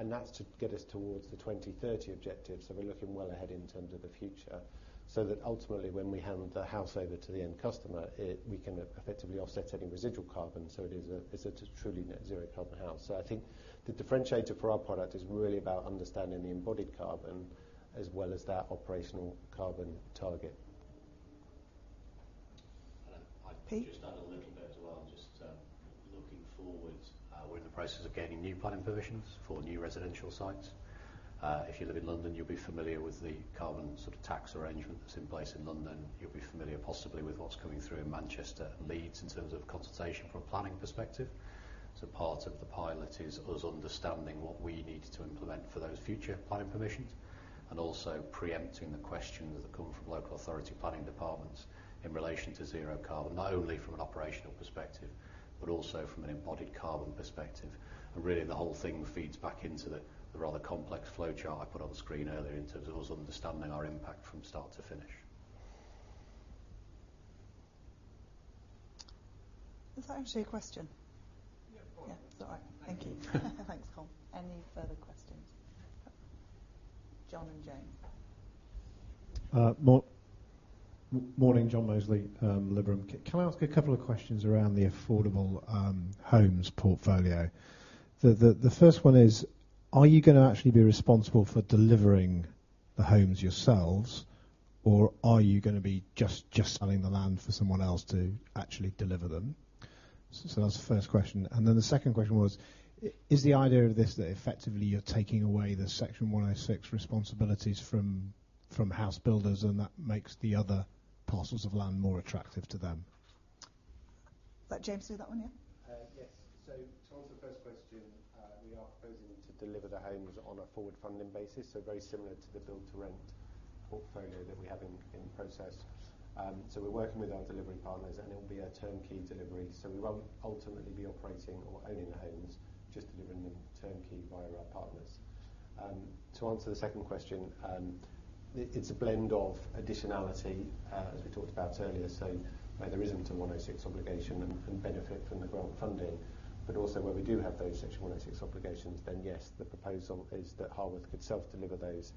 [SPEAKER 2] That's to get us towards the 2030 objective, so we're looking well ahead in terms of the future, so that ultimately, when we hand the house over to the end customer, we can effectively offset any residual carbon. It's a truly net zero carbon house. I think the differentiator for our product is really about understanding the embodied carbon as well as that operational carbon target.
[SPEAKER 1] Pete?
[SPEAKER 3] I'd just add a little bit as well. Just looking forward, we're in the process of gaining new planning permissions for new residential sites. If you live in London, you'll be familiar with the carbon sort of tax arrangement that's in place in London. You'll be familiar possibly with what's coming through in Manchester and Leeds, in terms of consultation from a planning perspective. Part of the pilot is us understanding what we need to implement for those future planning permissions, and also preempting the questions that come from local authority planning departments in relation to zero carbon, not only from an operational perspective, but also from an embodied carbon perspective. Really, the whole thing feeds back into the rather complex flowchart I put on the screen earlier in terms of us understanding our impact from start to finish.
[SPEAKER 1] Was that actually a question?
[SPEAKER 6] Yeah, of course.
[SPEAKER 1] All right. Thank you. Thanks, Paul. Any further questions? John in the end.
[SPEAKER 7] Morning, John Mosley, Liberum. Can I ask a couple of questions around the affordable homes portfolio? The first one is: Are you going to actually be responsible for delivering the homes yourselves, or are you going to be just selling the land for someone else to actually deliver them? That's the first question. Then the second question was: is the idea of this, that effectively you're taking away the Section 106 responsibilities from house builders, and that makes the other parcels of land more attractive to them?
[SPEAKER 1] Let James Crowe do that one, yeah.
[SPEAKER 2] Yes. To answer the first question, we are proposing to deliver the homes on a forward-funding basis, very similar to the build-to-rent portfolio that we have in process. We're working with our delivery partners, and it will be a turnkey delivery. We won't ultimately be operating or owning the homes, just delivering them turnkey via our partners. To answer the second question, it's a blend of additionality, as we talked about earlier, where there isn't a 106 obligation and benefit from the grant funding, but also where we do have those Section 106 obligations, then, yes, the proposal is that Harworth could self-deliver those.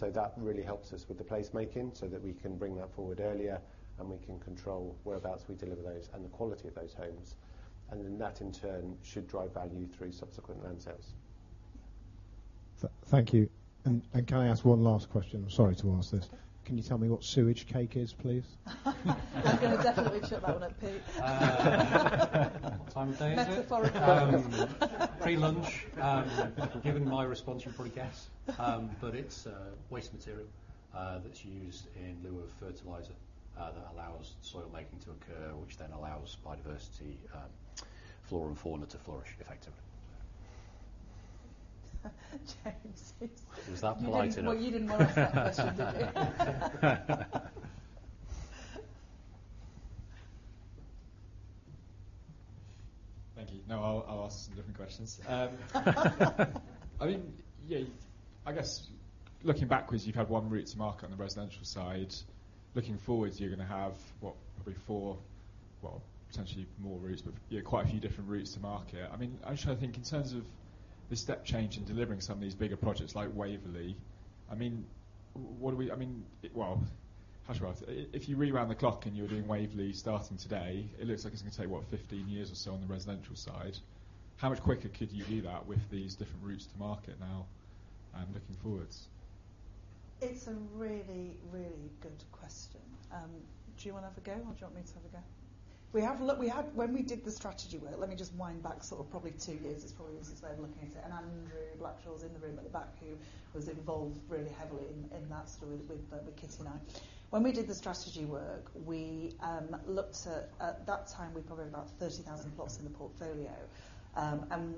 [SPEAKER 2] That really helps us with the placemaking, so that we can bring that forward earlier, and we can control whereabouts we deliver those and the quality of those homes. Then that, in turn, should drive value through subsequent land sales.
[SPEAKER 7] Thank you. Can I ask one last question? Sorry to ask this.
[SPEAKER 1] Okay.
[SPEAKER 7] Can you tell me what sewage cake is, please?
[SPEAKER 1] We're going to definitely chuck that one at Pete.
[SPEAKER 3] What time of day is it?
[SPEAKER 1] Metaphorically.
[SPEAKER 3] Pre-lunch. Given my response, you'd probably guess, but it's waste material that's used in lieu of fertilizer that allows soil making to occur, which then allows biodiversity, flora and fauna to flourish effectively.
[SPEAKER 1] James Crowe.
[SPEAKER 7] Was that polite enough?
[SPEAKER 1] Well, you didn't want to ask that question, did you?
[SPEAKER 7] Thank you. No, I'll ask some different questions. I mean, yeah, I guess looking backwards, you've had one route to market on the residential side. Looking forwards, you're going to have, what? Probably four, well, potentially more routes, but yeah, quite a few different routes to market. I mean, I just try to think in terms of the step change in delivering some of these bigger projects like Waverley. If you rewound the clock and you were doing Waverley, starting today, it looks like it's going to take, what, 15 years or so on the residential side. How much quicker could you do that with these different routes to market now? moving forwards?
[SPEAKER 1] It's a really, really good question. Do you want to have a go, or do you want me to have a go? When we did the strategy work, let me just wind back sort of probably two years, is probably the easiest way of looking at it. Andrew Blackshaw is in the room at the back, who was involved really heavily in that story with Kitty and I. When we did the strategy work, we looked at that time, we probably had about 30,000 plots in the portfolio.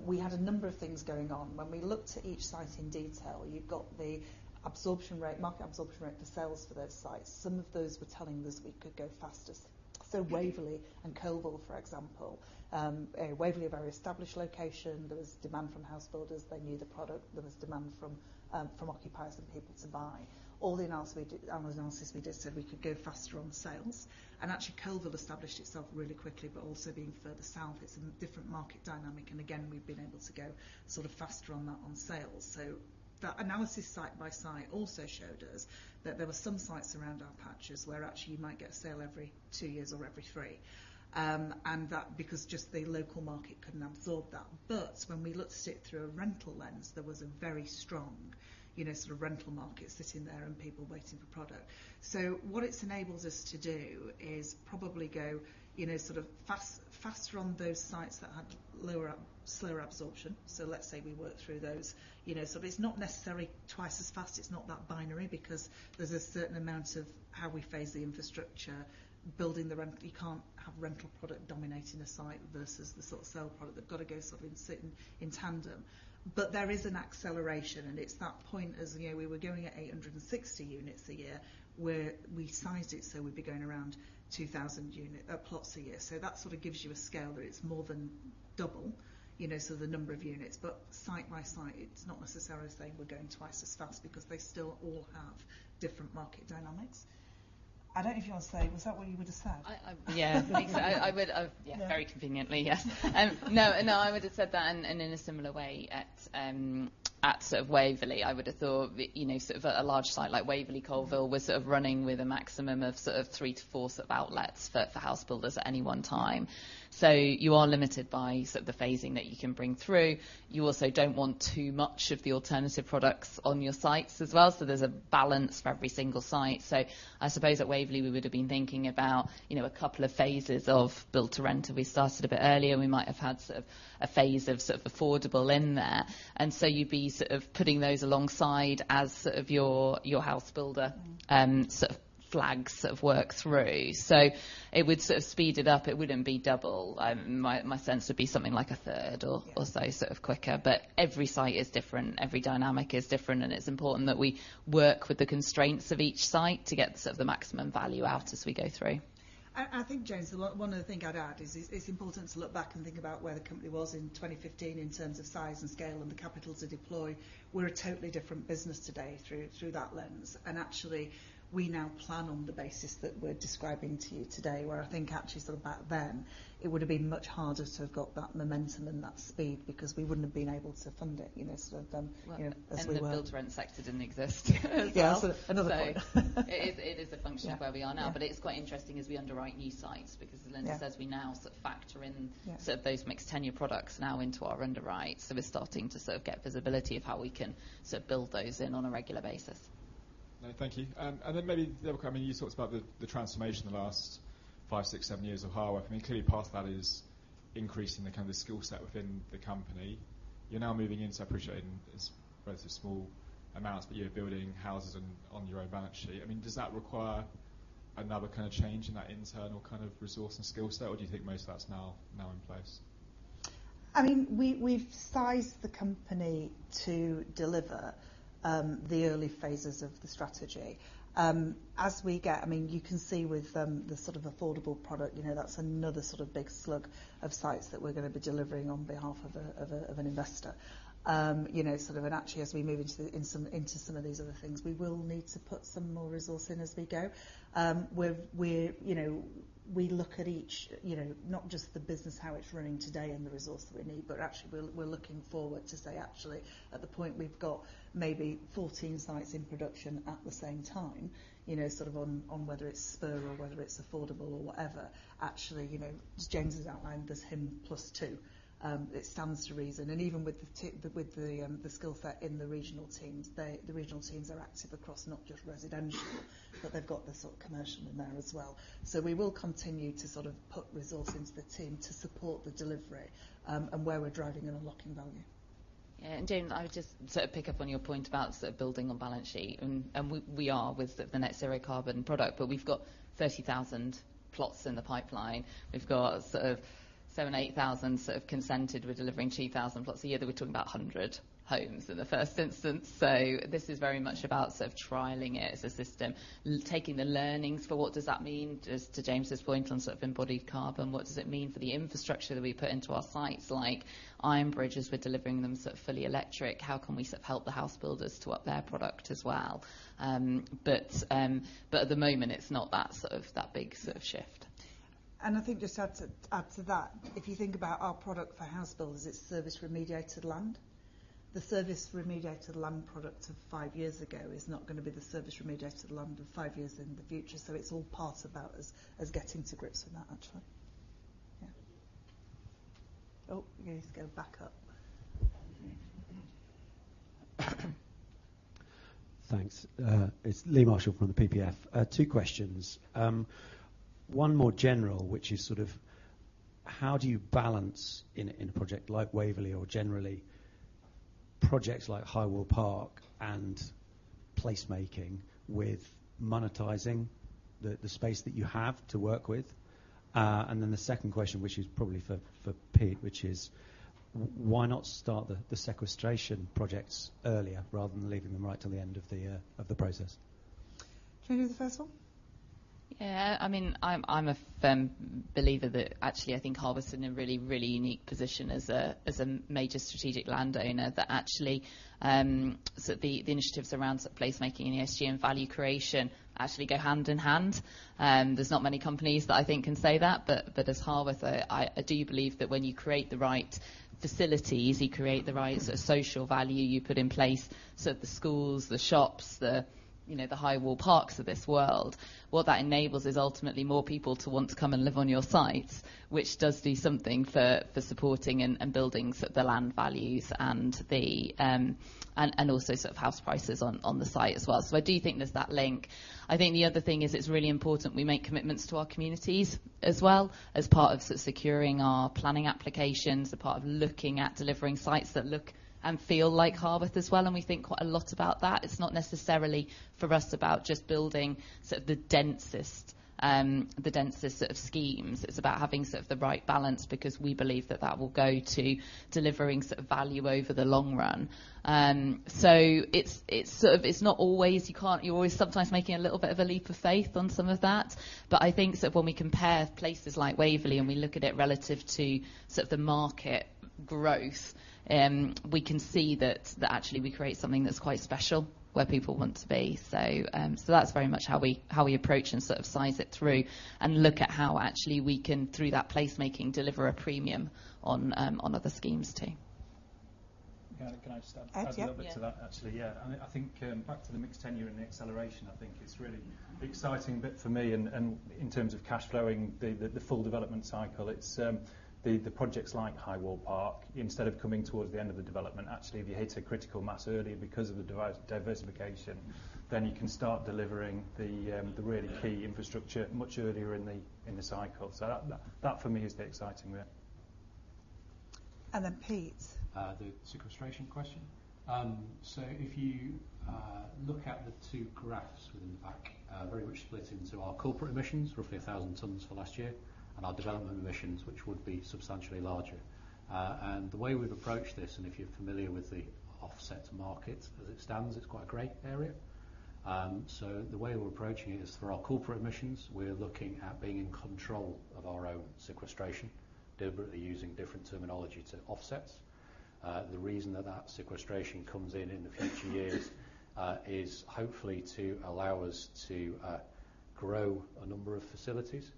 [SPEAKER 1] We had a number of things going on. When we looked at each site in detail, you've got the absorption rate, market absorption rate for sales for those sites. Some of those were telling us we could go faster. Waverley and Coalville, for example, Waverley, a very established location, there was demand from house builders. They knew the product. There was demand from occupiers and people to buy. All the analysis we did said we could go faster on the sales, actually, Coalville established itself really quickly, also being further south, it's a different market dynamic, again, we've been able to go sort of faster on that on sales. That analysis site by site also showed us that there were some sites around our patches where actually you might get a sale every two years or every three. That because just the local market could absorb that. When we looked at it through a rental lens, there was a very strong, you know, sort of rental market sitting there and people waiting for product. What it's enabled us to do is probably go, you know, faster on those sites that had lower slower absorption. Let's say, we work through those, you know, but it's not necessarily twice as fast, it's not that binary, because there's a certain amount of how we phase the infrastructure, building the rent... You can't have rental product dominating a site versus the sort of sale product. They've got to go sort of in situ, in tandem. There is an acceleration, and it's that point, as you know, we were going at 860 units a year, where we sized it, so we'd be going around 2,000 unit plots a year. That sort of gives you a scale, but it's more than double, you know, so the number of units. Site by site, it's not necessarily saying we're going twice as fast because they still all have different market dynamics. I don't know if you want to say, was that what you would have said? I. Yeah, I think so. I would. Yeah. Very conveniently, yes. no, I would have said that and in a similar way at sort of Waverley, I would have thought that, you know, sort of a large site like Waverley, Coalville, was sort of running with a maximum of sort of three-four sort of outlets for house builders at any one time. You are limited by sort of the phasing that you can bring through. You also don't want too much of the alternative products on your sites as well, so there's a balance for every single site. I suppose at Waverley, we would have been thinking about, you know, a couple of phases of build-to-rent, and we started a bit earlier. We might have had sort of a phase of, sort of affordable in there. You'd be sort of putting those alongside as sort of your house builder. Mm-hmm. sort of flags sort of work through. It would sort of speed it up. It wouldn't be double. My sense would be something like a third or... Yeah or so, sort of quicker. Every site is different, every dynamic is different, and it's important that we work with the constraints of each site to get sort of the maximum value out as we go through. I think, James Crowe, the one other thing I'd add is it's important to look back and think about where the company was in 2015 in terms of size and scale and the capital to deploy. We're a totally different business today through that lens, and actually, we now plan on the basis that we're describing to you today, where I think actually sort of back then, it would have been much harder to have got that momentum and that speed because we wouldn't have been able to fund it, you know, sort of, you know, as we were. Well, the build to rent sector didn't exist as well. Yeah, another point.
[SPEAKER 2] It is a function of where we are now.
[SPEAKER 1] Yeah, yeah.
[SPEAKER 2] It's quite interesting as we underwrite new sites, because as Lynda says.
[SPEAKER 1] Yeah...
[SPEAKER 2] we now sort of factor in.
[SPEAKER 1] Yeah
[SPEAKER 2] sort of those mixed tenure products now into our underwrite. We're starting to sort of get visibility of how we can sort of build those in on a regular basis.
[SPEAKER 7] Thank you. Then maybe, Deborah, you talked about the transformation in the last five, six, seven years of Harworth. Clearly, part of that is increasing the kind of skill set within the company. You're now moving into appreciating it's relatively small amounts, but you're building houses on your own balance sheet. Does that require another kind of change in that internal kind of resource and skill set, or do you think most of that's now in place?
[SPEAKER 8] I mean, we've sized the company to deliver the early phases of the strategy. I mean, you can see with the sort of affordable product, you know, that's another sort of big slug of sites that we're going to be delivering on behalf of an investor. You know, actually, as we move into some of these other things, we will need to put some more resource in as we go. We're, you know, we look at each, not just the business, how it's running today and the resources we need, but actually, we're looking forward to say, actually, at the point, we've got maybe 14 sites in production at the same time, you know, on whether it's Spur or whether it's affordable or whatever. Actually, you know, as James Crowe has outlined, there's him plus two. It stands to reason, even with the skill set in the regional teams, the regional teams are active across not just residential, but they've got the sort of commercial in there as well. We will continue to sort of put resource into the team to support the delivery, and where we're driving and unlocking value.
[SPEAKER 1] James Crow, I would just sort of pick up on your point about sort of building on balance sheet, and we are with the net zero carbon product. We've got 30,000 plots in the pipeline. We've got sort of 7,000-8,000 sort of consented. We're delivering 2,000 plots a year, that we're talking about 100 homes in the first instance. This is very much about sort of trialing it as a system, taking the learnings for what does that mean, just to James Crow point on sort of embodied carbon, what does it mean for the infrastructure that we put into our sites, like Ironbridge, we're delivering them sort of fully electric. How can we sort of help the house builders to up their product as well? At the moment, it's not that sort of, that big sort of shift.
[SPEAKER 8] I think just to add to that, if you think about our product for house builders, it's service remediated land. The service remediated land product of five years ago is not going to be the service remediated land of five years in the future. It's all part about us getting to grips with that, actually.
[SPEAKER 1] Oh, you need to go back up.
[SPEAKER 9] Thanks. It's Lee Marshall from the PPF. Two questions. One more general, which is sort of how do you balance in a project like Waverley or generally, projects like Highfield Park and placemaking with monetizing the space that you have to work with? The second question, which is probably for Pete, which is why not start the sequestration projects earlier, rather than leaving them right till the end of the process?
[SPEAKER 8] Can you do the first one?
[SPEAKER 1] Yeah, I mean, I'm a firm believer that actually, I think, Harworth is in a really unique position as a major strategic landowner, that actually, the initiatives around placemaking and ESG and value creation actually go hand in hand. There's not many companies that I think can say that, but as Harworth, I do believe that when you create the right facilities, you create the right sort of social value you put in place, so the schools, the shops, the, you know, the Highfield Parks of this world. What that enables is ultimately more people to want to come and live on your site, which does do something for supporting and building the land values and the also sort of house prices on the site as well. I do think there's that link. I think the other thing is it's really important we make commitments to our communities as well, as part of sort of securing our planning applications, a part of looking at delivering sites that look and feel like Harworth as well, and we think quite a lot about that. It's not necessarily, for us, about just building sort of the densest, the densest sort of schemes. It's about having sort of the right balance, because we believe that that will go to delivering sort of value over the long run. It's, it's sort of, it's not always, You're always sometimes making a little bit of a leap of faith on some of that. I think sort of when we compare places like Waverley, and we look at it relative to sort of the market growth, we can see that actually, we create something that's quite special, where people want to be. That's very much how we, how we approach and sort of size it through, and look at how actually we can, through that placemaking, deliver a premium on other schemes, too.
[SPEAKER 4] Can I just add-
[SPEAKER 7] Add?
[SPEAKER 4] A little bit to that, actually? Yeah.
[SPEAKER 7] Yeah.
[SPEAKER 4] I think back to the mixed tenure and the acceleration, I think it's really exciting bit for me and in terms of cash flowing the full development cycle. It's the projects like Highfield Park, instead of coming towards the end of the development, actually, if you hit a critical mass earlier because of the diversification, then you can start delivering the really key infrastructure much earlier in the cycle. That for me is the exciting bit.
[SPEAKER 7] Pete.
[SPEAKER 3] The sequestration question? If you look at the two graphs within the back, very much split into our corporate emissions, roughly 1,000 tons for last year, and our development emissions, which would be substantially larger. The way we've approached this, and if you're familiar with the offset market, as it stands, it's quite a gray area. The way we're approaching it is, for our corporate emissions, we're looking at being in control of our own sequestration, deliberately using different terminology to offsets. The reason that sequestration comes in in the future years, is hopefully to allow us to grow a number of facilities.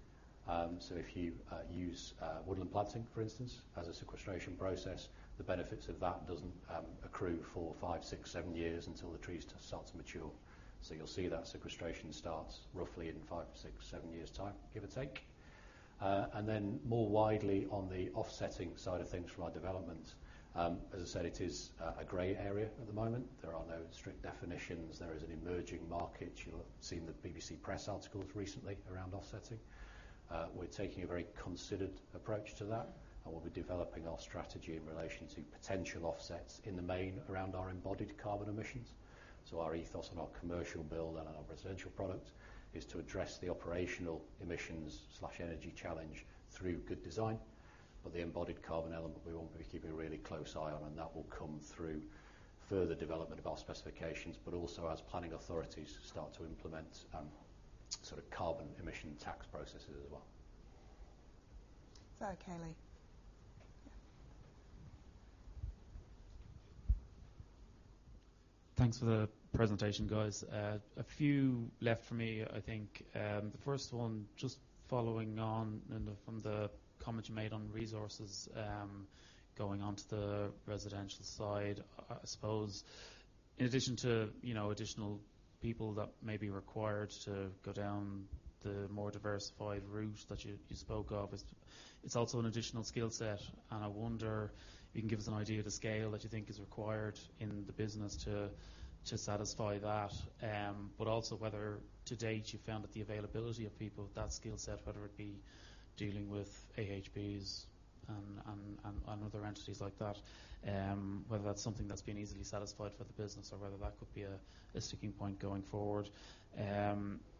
[SPEAKER 3] If you use woodland planting, for instance, as a sequestration process, the benefits of that doesn't accrue for five, six, seven years until the trees start to mature. You'll see that sequestration starts roughly in five, six, seven years' time, give or take. More widely on the offsetting side of things for our development, as I said, it is a gray area at the moment. There are no strict definitions. There is an emerging market. You'll have seen the BBC press articles recently around offsetting. We're taking a very considered approach to that, and we'll be developing our strategy in relation to potential offsets in the main around our embodied carbon emissions. Our ethos and our commercial build and our residential product is to address the operational emissions/energy challenge through good design. The embodied carbon element, we want to keep a really close eye on, and that will come through further development of our specifications, but also as planning authorities start to implement, sort of carbon emission tax processes as well.
[SPEAKER 7] Calum.
[SPEAKER 6] Thanks for the presentation, guys. A few left for me, I think. The first one, just following on, Lynda, from the comment you made on resources, going onto the residential side. I suppose in addition to, you know, additional people that may be required to go down the more diversified route that you spoke of, it's also an additional skill set, and I wonder if you can give us an idea of the scale that you think is required in the business to satisfy that. But also whether to date, you've found that the availability of people with that skill set, whether it be dealing with AHBs and other entities like that, whether that's something that's been easily satisfied for the business, or whether that could be a sticking point going forward.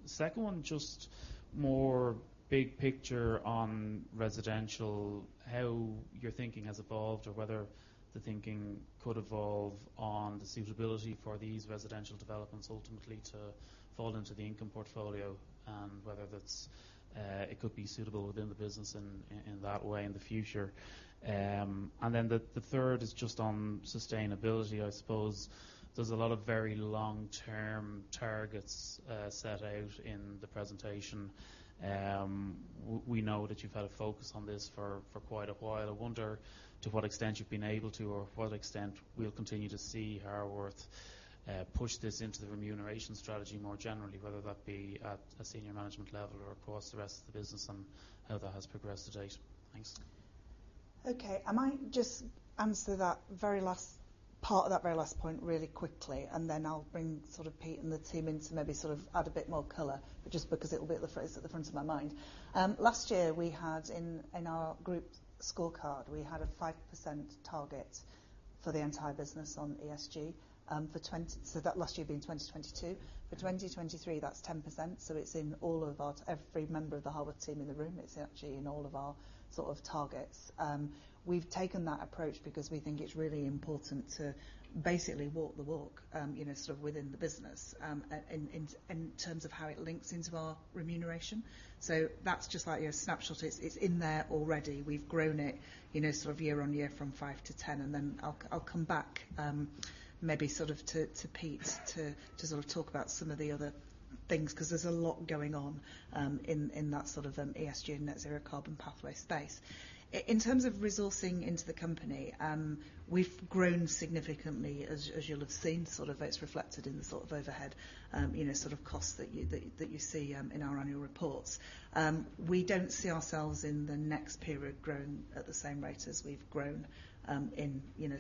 [SPEAKER 6] Second one, just more big picture on residential, how your thinking has evolved, or whether the thinking could evolve on the suitability for these residential developments ultimately to fall into the income portfolio, and whether that's, it could be suitable within the business in that way in the future. The third is just on sustainability. I suppose there's a lot of very long-term targets set out in the presentation. We know that you've had a focus on this for quite a while. I wonder to what extent you've been able to, or what extent we'll continue to see Harworth push this into the remuneration strategy more generally, whether that be at a senior management level or across the rest of the business, and how that has progressed to date. Thanks.
[SPEAKER 1] Okay, I might just answer that very last part of that very last point really quickly, and then I'll bring sort of Pete and the team in to maybe sort of add a bit more color, but just because it'll be at the front of my mind. Last year, we had in our group scorecard, we had a 5% target for the entire business on ESG, for 2022. So that last year being 2022. For 2023, that's 10%, so it's in all of our, every member of the Harworth team in the room. It's actually in all of our sort of targets. We've taken that approach because we think it's really important to basically walk the walk, you know, sort of within the business, in, in terms of how it links into our remuneration. That's just like your snapshot. It's in there already. We've grown it, you know, year on year from five to 10, I'll come back maybe to Pete to talk about some of the other things, 'cause there's a lot going on in that ESG and net zero carbon pathway space. In terms of resourcing into the company, we've grown significantly, as you'll have seen, it's reflected in the overhead, you know, costs that you see in our annual reports. We don't see ourselves in the next period growing at the same rate as we've grown in, you know,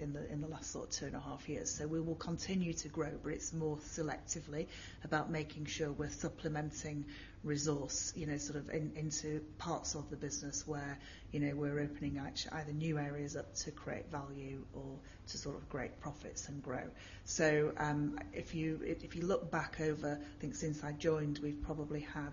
[SPEAKER 1] in the last two and a half years. We will continue to grow, but it's more selectively about making sure we're supplementing resource, you know, sort of into parts of the business where, you know, we're opening either new areas up to create value or to sort of create profits and grow. If you, if you look back over, I think since I joined, we've probably had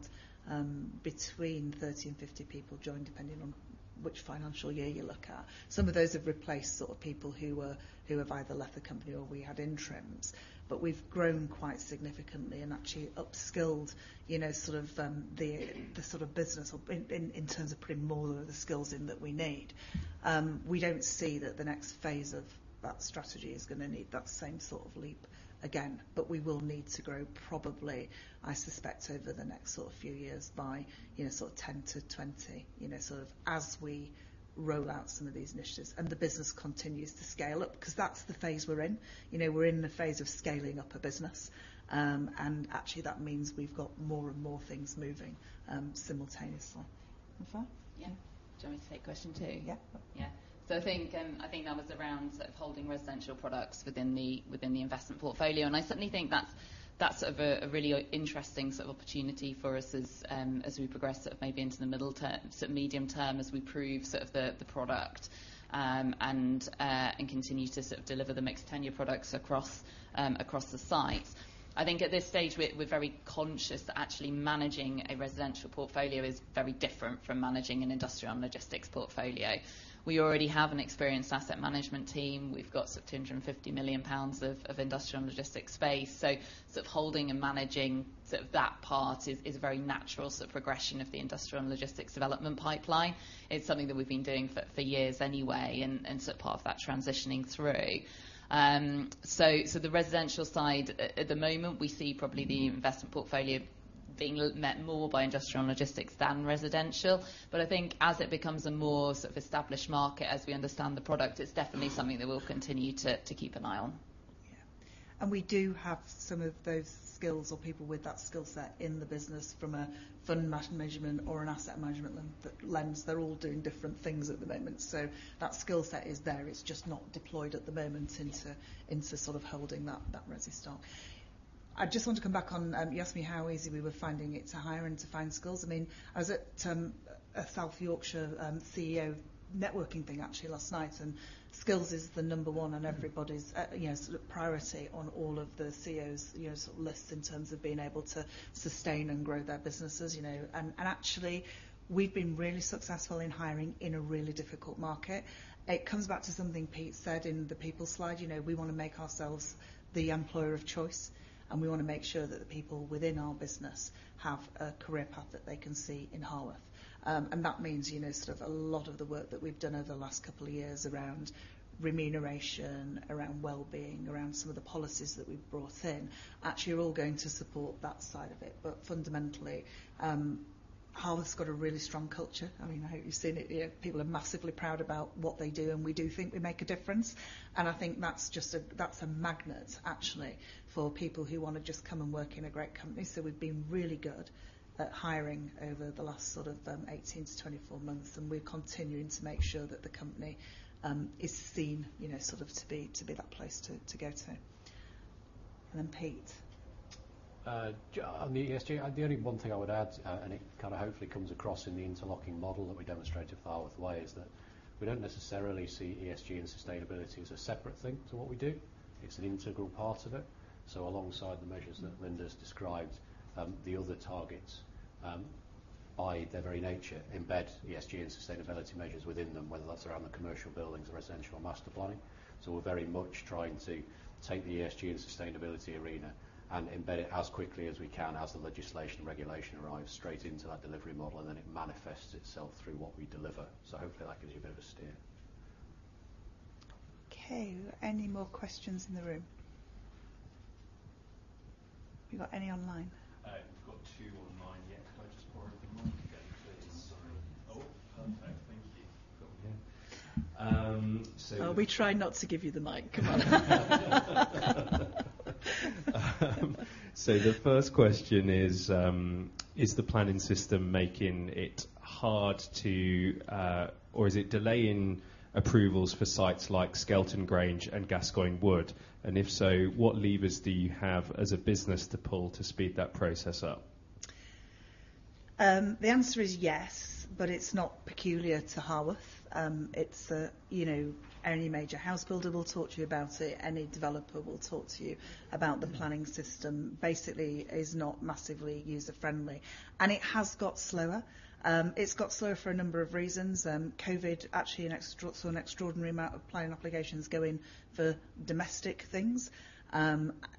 [SPEAKER 1] between 30 and 50 people join, depending on which financial year you look at. Some of those have replaced sort of people who were, who have either left the company or we had interims. We've grown quite significantly and actually upskilled, you know, sort of the sort of business or in terms of putting more of the skills in that we need. We don't see that the next phase of that strategy is going to need that same sort of leap again. We will need to grow probably, I suspect, over the next sort of few years by, you know, sort of 10-20, as we roll out some of these initiatives, and the business continues to scale up, 'cause that's the phase we're in. You know, we're in the phase of scaling up a business. Actually, that means we've got more and more things moving simultaneously. Is that fine?
[SPEAKER 2] Yeah.
[SPEAKER 1] Yeah.
[SPEAKER 8] Do you want me to take question two?
[SPEAKER 1] Yeah.
[SPEAKER 8] Yeah. I think, I think that was around sort of holding residential products within the, within the investment portfolio, and I certainly think that's sort of a really interesting sort of opportunity for us as we progress sort of maybe into the middle term, sort of medium term, as we prove sort of the product, and continue to sort of deliver the mixed tenure products across the sites. I think at this stage, we're very conscious that actually managing a residential portfolio is very different from managing an industrial and logistics portfolio. We already have an experienced asset management team. We've got sort of 250 million pounds of industrial and logistics space, so sort of holding and managing sort of that part is a very natural sort of progression of the industrial and logistics development pipeline. It's something that we've been doing for years anyway, and so part of that transitioning through. The residential side, at the moment, we see probably the investment portfolio being met more by industrial and logistics than residential. I think as it becomes a more sort of established market, as we understand the product, it's definitely something that we'll continue to keep an eye on.
[SPEAKER 1] We do have some of those skills or people with that skill set in the business from a fund management or an asset management lens. They're all doing different things at the moment. That skill set is there, it's just not deployed at the moment into sort of holding that resi stock. I just want to come back on, you asked me how easy we were finding it to hire and to find skills. I mean, I was at a South Yorkshire CEO networking thing actually last night, and skills is the number one on everybody's, you know, sort of priority on all of the CEOs, you know, sort of lists in terms of being able to sustain and grow their businesses, you know. Actually, we've been really successful in hiring in a really difficult market. It comes back to something Pete said in the people slide. You know, we want to make ourselves the employer of choice. We want to make sure that the people within our business have a career path that they can see in Harworth. That means, you know, sort of a lot of the work that we've done over the last couple of years around remuneration, around well-being, around some of the policies that we've brought in, actually are all going to support that side of it. Fundamentally, Harworth's got a really strong culture. I mean, I hope you've seen it here. People are massively proud about what they do, and we do think we make a difference. I think that's a magnet actually, for people who want to just come and work in a great company. we've been really good at hiring over the last sort of, 18-24 months, and we're continuing to make sure that the company, is seen, you know, sort of to be that place to go to. Pete?
[SPEAKER 3] On the ESG, the only one thing I would add, It kind of hopefully comes across in the interlocking model that we demonstrated with Harworth Way, is that we don't necessarily see ESG and sustainability as a separate thing to what we do. It's an integral part of it. Alongside the measures that-
[SPEAKER 1] Mm-hmm
[SPEAKER 3] Lynda's described, the other targets, by their very nature, embed ESG and sustainability measures within them, whether that's around the commercial buildings or residential master planning. We're very much trying to take the ESG and sustainability arena and embed it as quickly as we can, as the legislation and regulation arrives, straight into that delivery model, and then it manifests itself through what we deliver. Hopefully that gives you a bit of a steer.
[SPEAKER 1] Okay. Any more questions in the room? Have you got any online?
[SPEAKER 6] We've got 2 online, yeah. Could I just borrow the mic again, please? Sorry. Perfect. Thank you. Got me here....
[SPEAKER 1] We try not to give you the mic.
[SPEAKER 6] The first question is the planning system making it hard to, or is it delaying approvals for sites like Skelton Grange and Gascoigne Wood? If so, what levers do you have as a business to pull to speed that process up?
[SPEAKER 1] The answer is yes, but it's not peculiar to Harworth. It's, you know, any major house builder will talk to you about it. Any developer will talk to you about the planning system. Basically, is not massively user-friendly, and it has got slower. It's got slower for a number of reasons. COVID, actually, saw an extraordinary amount of planning applications go in for domestic things,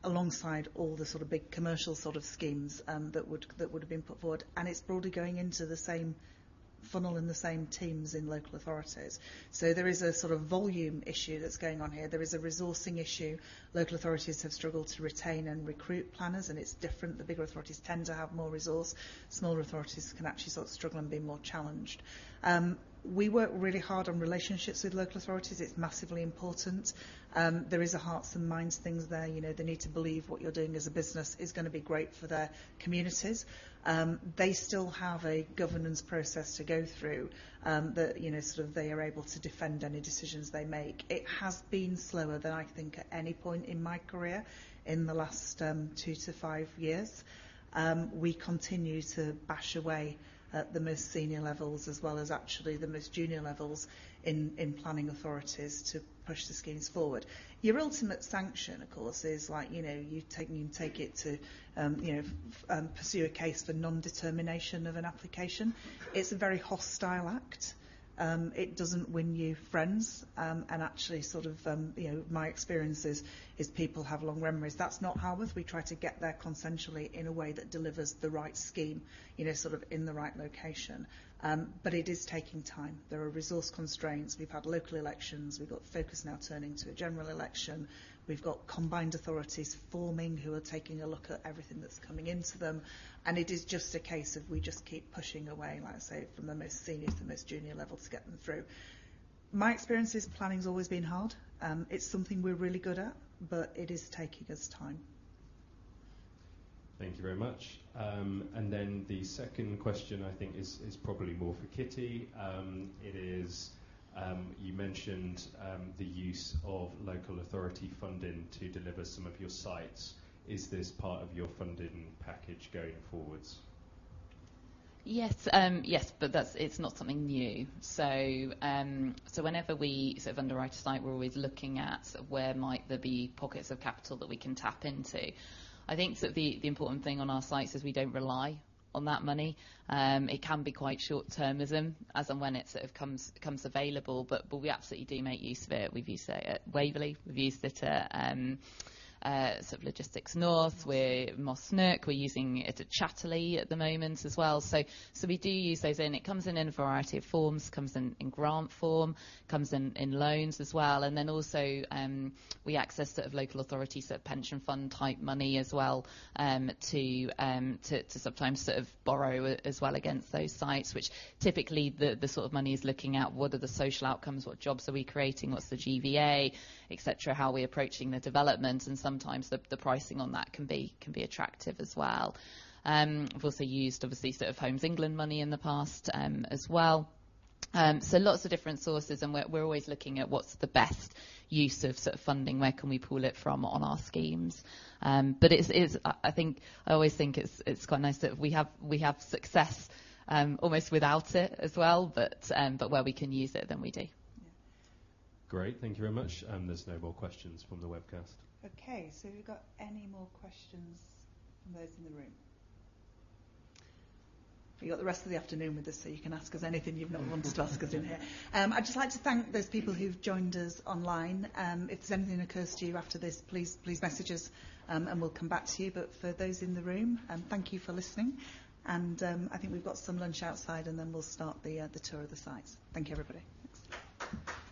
[SPEAKER 1] alongside all the sort of big commercial sort of schemes, that would have been put forward, and it's broadly going into the same funnel and the same teams in local authorities. There is a sort of volume issue that's going on here. There is a resourcing issue. Local authorities have struggled to retain and recruit planners, and it's different. The bigger authorities tend to have more resource. Smaller authorities can actually sort of struggle and be more challenged. We work really hard on relationships with local authorities. It's massively important. There is a hearts and minds things there. You know, they need to believe what you're doing as a business is going to be great for their communities. They still have a governance process to go through, that, you know, sort of they are able to defend any decisions they make. It has been slower than I think at any point in my career in the last two to five years. We continue to bash away at the most senior levels, as well as actually the most junior levels in planning authorities to push the schemes forward. Your ultimate sanction, of course, is like, you know, you take it to, you know, pursue a case for non-determination of an application. It's a very hostile act. It doesn't win you friends, and actually, sort of, you know, my experience is, people have long memories. That's not Harworth. We try to get there consensually in a way that delivers the right scheme, you know, sort of in the right location. It is taking time. There are resource constraints. We've had local elections. We've got focus now turning to a general election. We've got combined authorities forming, who are taking a look at everything that's coming into them, it is just a case of we just keep pushing away, like I say, from the most senior to the most junior level to get them through. My experience is planning's always been hard. It's something we're really good at, but it is taking us time.
[SPEAKER 6] Thank you very much. The second question, I think, is probably more for Kitty. It is, you mentioned, the use of local authority funding to deliver some of your sites. Is this part of your funding package going forwards?
[SPEAKER 2] Yes. Yes, but it's not something new. Whenever we sort of underwrite a site, we're always looking at where might there be pockets of capital that we can tap into. I think the important thing on our sites is we don't rely on that money. It can be quite short-termism as and when it sort of comes available, but we absolutely do make use of it. We've used it at Waverley, we've used it at sort of Logistics North, where Moss Nook, we're using it at Chatterley at the moment as well. We do use those in. It comes in in a variety of forms. It comes in grant form, comes in loans as well. Also, we access sort of local authority, sort of pension fund type money as well, to sometimes sort of borrow as well against those sites, which typically the sort of money is looking at what are the social outcomes, what jobs are we creating, what's the GVA, et cetera, how are we approaching the development. Sometimes the pricing on that can be attractive as well. We've also used, obviously, sort of Homes England money in the past, as well. Lots of different sources. We're always looking at what's the best use of sort of funding, where can we pull it from on our schemes? It's, it is, I think, I always think it's quite nice that we have, we have success, almost without it as well, but, where we can use it, then we do.
[SPEAKER 6] Great. Thank you very much. There's no more questions from the webcast.
[SPEAKER 1] Have we got any more questions from those in the room? You've got the rest of the afternoon with us, so you can ask us anything you've not wanted to ask us in here. I'd just like to thank those people who've joined us online. If there's anything occurs to you after this, please message us, and we'll come back to you. For those in the room, thank you for listening, and I think we've got some lunch outside, and then we'll start the tour of the sites. Thank you, everybody. Thanks.